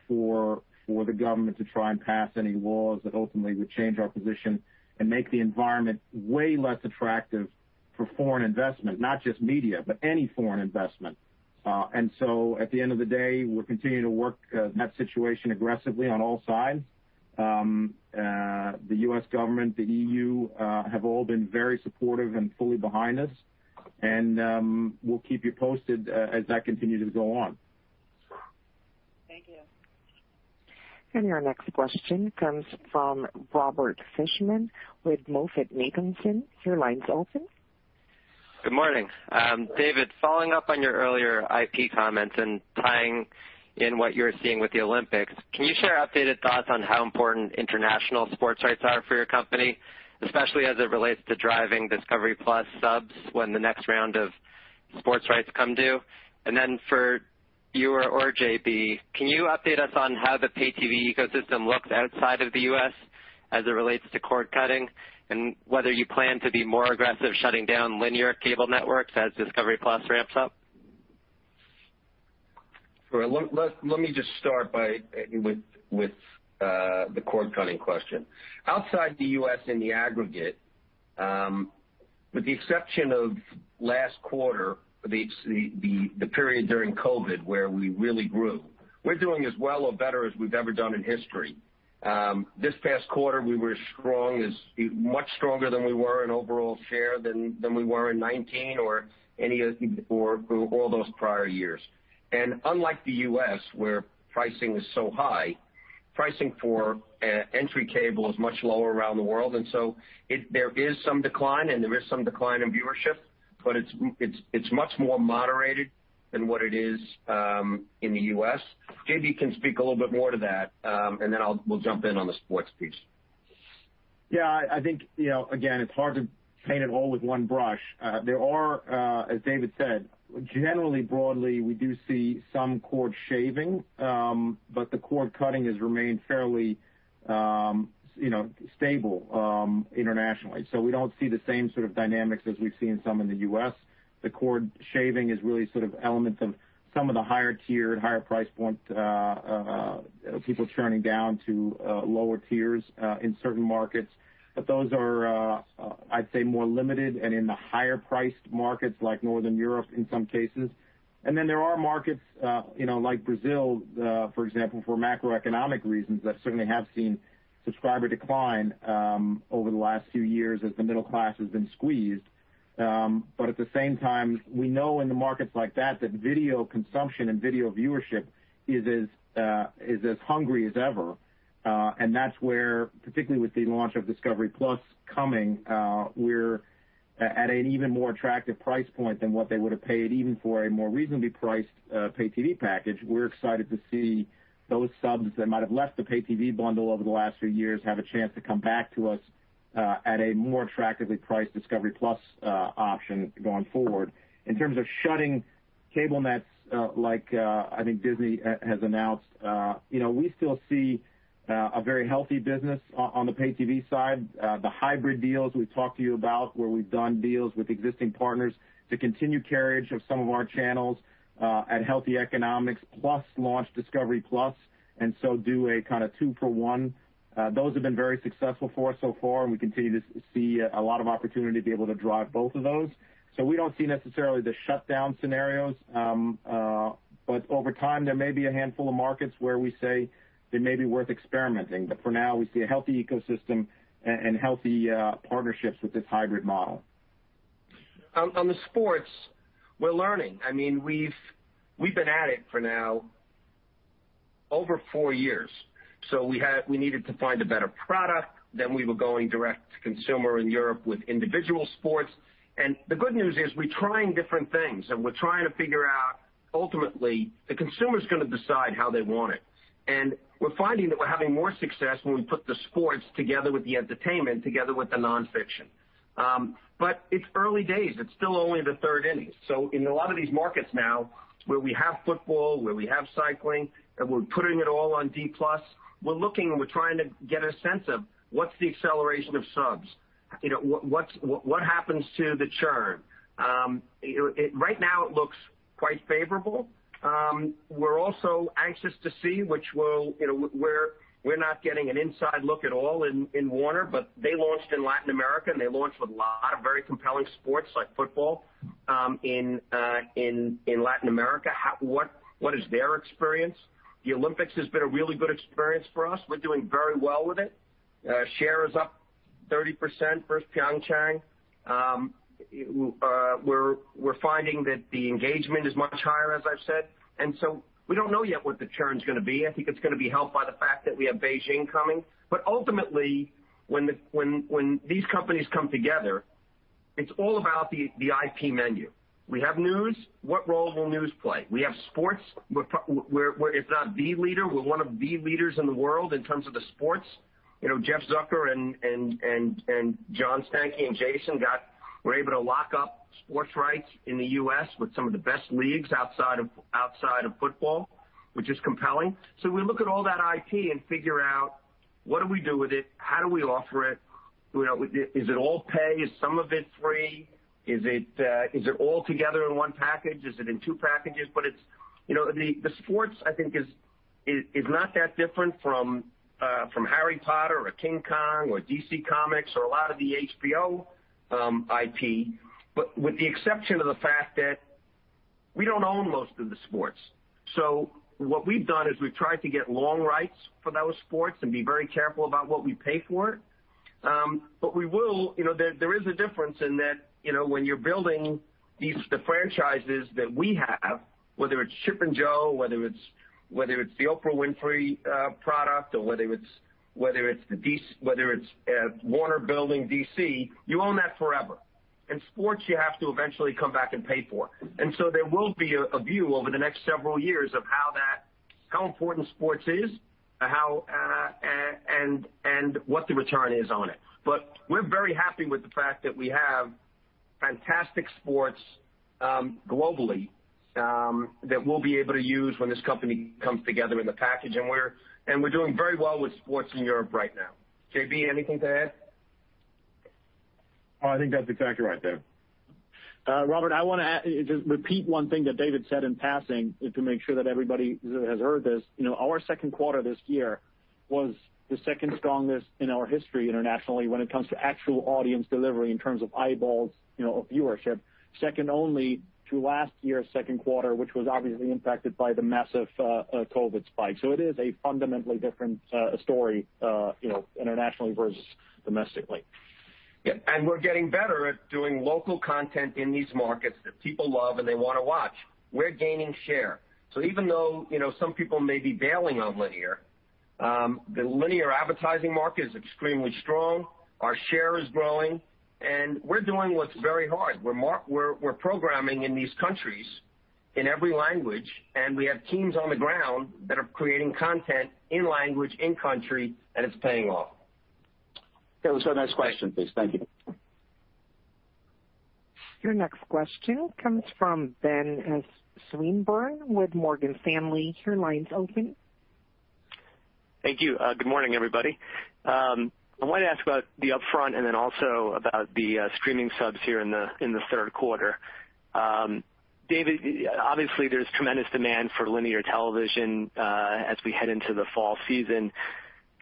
S6: for the government to try and pass any laws that ultimately would change our position and make the environment way less attractive for foreign investment. Not just media, but any foreign investment. At the end of the day, we're continuing to work that situation aggressively on all sides. The U.S. government, the EU, have all been very supportive and fully behind us, and we'll keep you posted as that continues to go on.
S10: Thank you.
S1: Your next question comes from Robert Fishman with MoffettNathanson. Your line's open.
S11: Good morning. David, following up on your earlier IP comments and tying in what you're seeing with the Olympics, can you share updated thoughts on how important international sports rights are for your company, especially as it relates to driving discovery+ subs when the next round of sports rights come due? Then for you or JB, can you update us on how the pay TV ecosystem looks outside of the U.S. as it relates to cord cutting and whether you plan to be more aggressive shutting down linear cable networks as discovery+ ramps up?
S3: Sure. Let me just start with the cord cutting question. Outside the U.S. in the aggregate, with the exception of last quarter, the period during COVID where we really grew, we're doing as well or better as we've ever done in history. This past quarter, we were much stronger than we were in overall share than we were in 2019 or all those prior years. Unlike the U.S., where pricing is so high, pricing for entry cable is much lower around the world, and so there is some decline and there is some decline in viewership, but it's much more moderated than what it is in the U.S. JB can speak a little bit more to that, and then we'll jump in on the sports piece.
S6: Yeah, I think, again, it's hard to paint it all with one brush. There are, as David said, generally broadly, we do see some cord shaving. The cord cutting has remained fairly stable internationally. We don't see the same sort of dynamics as we've seen some in the U.S. The cord shaving is really sort of elements of some of the higher tier and higher price point people churning down to lower tiers in certain markets. Those are, I'd say, more limited and in the higher priced markets like Northern Europe in some cases. There are markets like Brazil, for example, for macroeconomic reasons, that certainly have seen subscriber decline over the last few years as the middle class has been squeezed. At the same time, we know in the markets like that video consumption and video viewership is as hungry as ever. That's where, particularly with the launch of discovery+ coming, we're at an even more attractive price point than what they would've paid even for a more reasonably priced pay TV package. We're excited to see those subs that might have left the pay TV bundle over the last few years have a chance to come back to us. At a more attractively priced discovery+ option going forward. In terms of shutting cable nets like I think Disney has announced, we still see a very healthy business on the pay TV side. The hybrid deals we've talked to you about, where we've done deals with existing partners to continue carriage of some of our channels at healthy economics, plus launch discovery+, and so do a kind of two for one. Those have been very successful for us so far, and we continue to see a lot of opportunity to be able to drive both of those. We don't see necessarily the shutdown scenarios. Over time, there may be a handful of markets where we say it may be worth experimenting. For now, we see a healthy ecosystem and healthy partnerships with this hybrid model.
S3: On the sports, we're learning. We've been at it for now over four years. We needed to find a better product. We were going direct to consumer in Europe with individual sports. The good news is we're trying different things, and we're trying to figure out, ultimately, the consumer's going to decide how they want it. We're finding that we're having more success when we put the sports together with the entertainment together with the nonfiction. It's early days. It's still only the third inning. In a lot of these markets now, where we have football, where we have cycling, and we're putting it all on discovery+, we're looking and we're trying to get a sense of what's the acceleration of subs. What happens to the churn? Right now it looks quite favorable. We're also anxious to see, we're not getting an inside look at all in Warner, but they launched in Latin America, and they launched with a lot of very compelling sports like football in Latin America. What is their experience? The Olympics has been a really good experience for us. We're doing very well with it. Share is up 30% versus Pyeongchang. We're finding that the engagement is much higher, as I've said. We don't know yet what the churn's going to be. I think it's going to be helped by the fact that we have Beijing coming. Ultimately, when these companies come together, it's all about the IP menu. We have news. What role will news play? We have sports. We're, if not the leader, we're one of the leaders in the world in terms of the sports. Jeff Zucker and John Stankey and Jason were able to lock up sports rights in the U.S. with some of the best leagues outside of football, which is compelling. We look at all that IP and figure out what do we do with it? How do we offer it? Is it all pay? Is some of it free? Is it all together in one package? Is it in two packages? The sports, I think is not that different from "Harry Potter" or "King Kong" or DC Comics or a lot of the HBO IP, but with the exception of the fact that we don't own most of the sports. What we've done is we've tried to get long rights for those sports and be very careful about what we pay for it. There is a difference in that when you're building the franchises that we have, whether it's Chip and Jo, whether it's the Oprah Winfrey product, or whether it's Warner building DC, you own that forever. Sports, you have to eventually come back and pay for. There will be a view over the next several years of how important sports is and what the return is on it. We're very happy with the fact that we have fantastic sports globally that we'll be able to use when this company comes together in the package. We're doing very well with sports in Europe right now. JB, anything to add?
S6: I think that's exactly right, Dave.
S4: Robert, I want to just repeat one thing that David said in passing to make sure that everybody has heard this. Our second quarter this year was the second strongest in our history internationally when it comes to actual audience delivery in terms of eyeballs, of viewership. Second only to last year's second quarter, which was obviously impacted by the massive COVID spike. It is a fundamentally different story internationally versus domestically.
S3: Yep. We're getting better at doing local content in these markets that people love and they want to watch. We're gaining share. Even though some people may be bailing on linear, the linear advertising market is extremely strong. Our share is growing, and we're doing what's very hard. We're programming in these countries in every language, and we have teams on the ground that are creating content in language, in country, and it's paying off. Okay, let's go next question, please. Thank you.
S1: Your next question comes from Ben Swinburne with Morgan Stanley. Your line's open.
S12: Thank you. Good morning, everybody. I wanted to ask about the upfront, also about the streaming subs here in the third quarter. David, obviously, there's tremendous demand for linear television as we head into the fall season.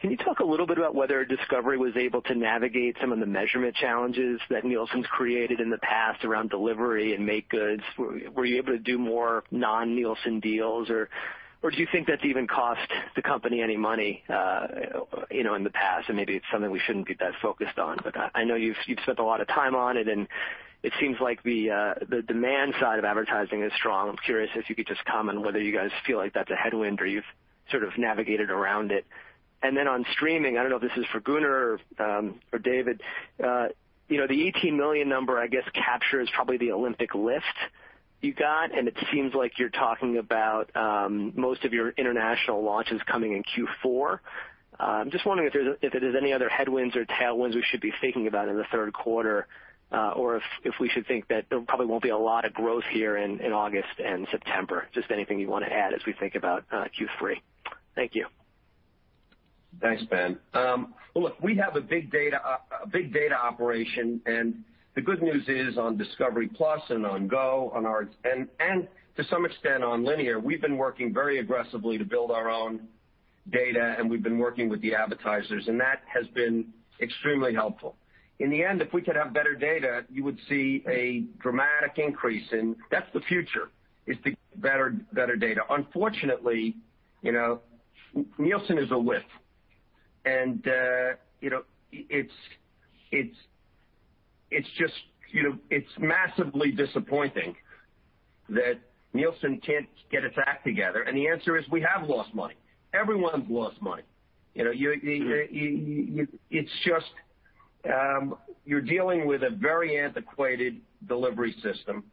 S12: Can you talk a little bit about whether Discovery was able to navigate some of the measurement challenges that Nielsen's created in the past around delivery and make goods? Were you able to do more non-Nielsen deals, or do you think that's even cost the company any money in the past, and maybe it's something we shouldn't be that focused on? I know you've spent a lot of time on it seems like the demand side of advertising is strong. I'm curious if you could just comment whether you guys feel like that's a headwind or you've sort of navigated around it. On streaming, I don't know if this is for Gunnar or David. The 18 million number, I guess captures probably the Olympic lift. You got. It seems like you're talking about most of your international launches coming in Q4. I'm just wondering if there's any other headwinds or tailwinds we should be thinking about in the third quarter, or if we should think that there probably won't be a lot of growth here in August and September. Anything you want to add as we think about Q3. Thank you.
S3: Thanks, Ben. Look, we have a big data operation, and the good news is on discovery+ and on GO, and to some extent on Linear, we've been working very aggressively to build our own data, and we've been working with the advertisers, and that has been extremely helpful. In the end, if we could have better data, you would see a dramatic increase. That's the future, is the better data. Unfortunately, Nielsen is a whiff. It's massively disappointing that Nielsen can't get its act together. The answer is, we have lost money. Everyone's lost money. You're dealing with a very antiquated delivery system.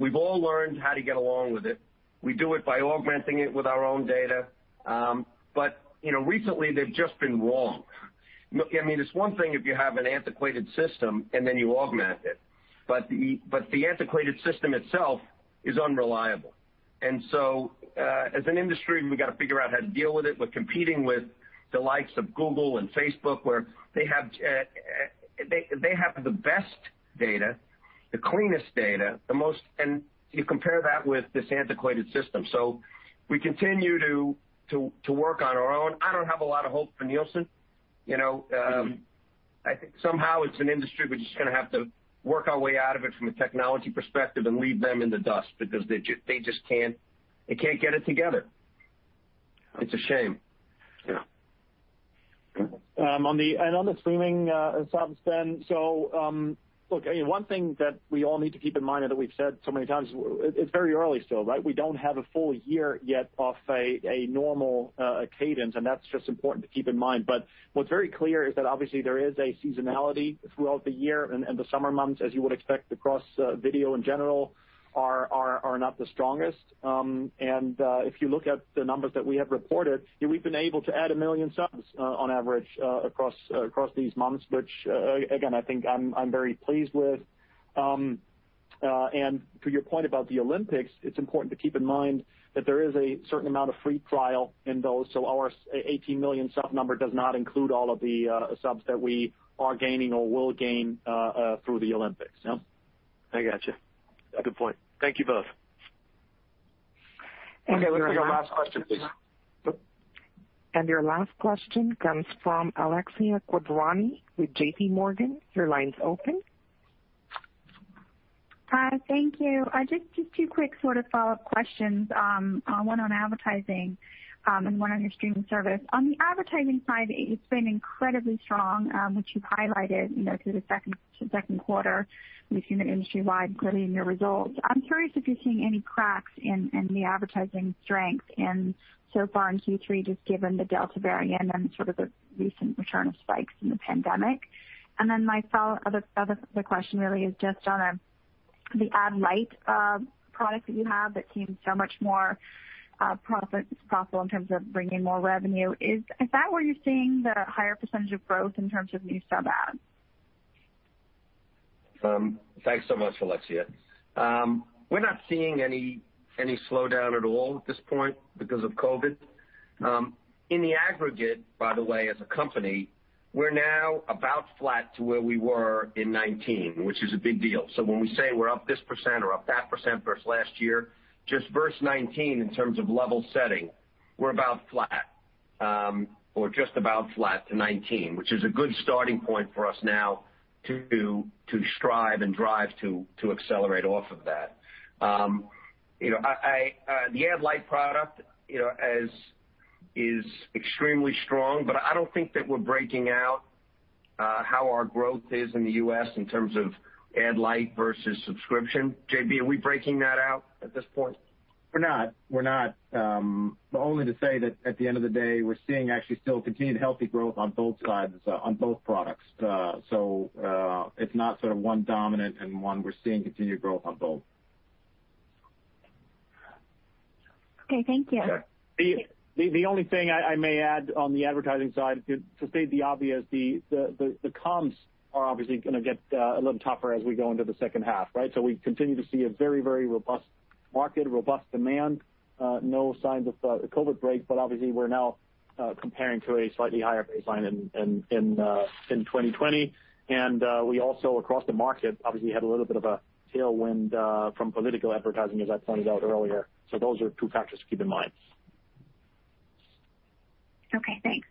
S3: We've all learned how to get along with it. We do it by augmenting it with our own data. Recently, they've just been wrong. Look, it's one thing if you have an antiquated system and then you augment it, but the antiquated system itself is unreliable. As an industry, we've got to figure out how to deal with it. We're competing with the likes of Google and Facebook, where they have the best data, the cleanest data, and you compare that with this antiquated system. We continue to work on our own. I don't have a lot of hope for Nielsen. I think somehow, it's an industry we're just going to have to work our way out of it from a technology perspective and leave them in the dust because they can't get it together. It's a shame.
S4: On the streaming subs, Ben, look, one thing that we all need to keep in mind and that we've said so many times, it's very early still, right. We don't have a full year yet of a normal cadence, and that's just important to keep in mind. What's very clear is that obviously there is a seasonality throughout the year and the summer months, as you would expect across video in general, are not the strongest. If you look at the numbers that we have reported, we've been able to add 1 million subs on average across these months, which again, I think I'm very pleased with. To your point about the Olympics, it's important to keep in mind that there is a certain amount of free trial in those. Our 18 million sub number does not include all of the subs that we are gaining or will gain through the Olympics.
S12: I got you. Good point. Thank you both.
S3: Okay. Let's take our last question, please.
S1: Your last question comes from Alexia Quadrani with JPMorgan. Your line's open.
S13: Hi, thank you. Just two quick sort of follow-up questions. One on advertising, and one on your streaming service. On the advertising side, it's been incredibly strong, which you've highlighted through the second quarter. We've seen it industry-wide, clearly in your results. I'm curious if you're seeing any cracks in the advertising strength so far in Q3, just given the Delta variant and sort of the recent return of spikes in the pandemic. My other question really is just on the Ad-Lite product that you have that seems so much more profitable in terms of bringing more revenue. Is that where you're seeing the higher percentage of growth in terms of new sub adds?
S3: Thanks so much, Alexia. We're not seeing any slowdown at all at this point because of COVID. In the aggregate, by the way, as a company, we're now about flat to where we were in 2019, which is a big deal. When we say we're up this percent or up that percent versus last year, just versus 2019 in terms of level setting, we're about flat. Just about flat to 2019, which is a good starting point for us now to strive and drive to accelerate off of that. The Ad-Lite product is extremely strong, I don't think that we're breaking out how our growth is in the U.S. in terms of Ad-Lite versus subscription. JB, are we breaking that out at this point?
S6: We're not. Only to say that at the end of the day, we're seeing actually still continued healthy growth on both sides, on both products. It's not sort of one dominant and one. We're seeing continued growth on both.
S13: Okay. Thank you.
S3: Sure.
S4: The only thing I may add on the advertising side, to state the obvious, the comps are obviously going to get a little tougher as we go into the second half, right? We continue to see a very, very robust market, robust demand, no signs of COVID break, but obviously we're now comparing to a slightly higher baseline in 2020. We also, across the market, obviously had a little bit of a tailwind from political advertising, as I pointed out earlier. Those are two factors to keep in mind.
S13: Okay, thanks.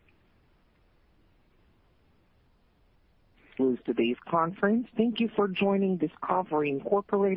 S1: This concludes today's conference. Thank you for joining Discovery, Inc.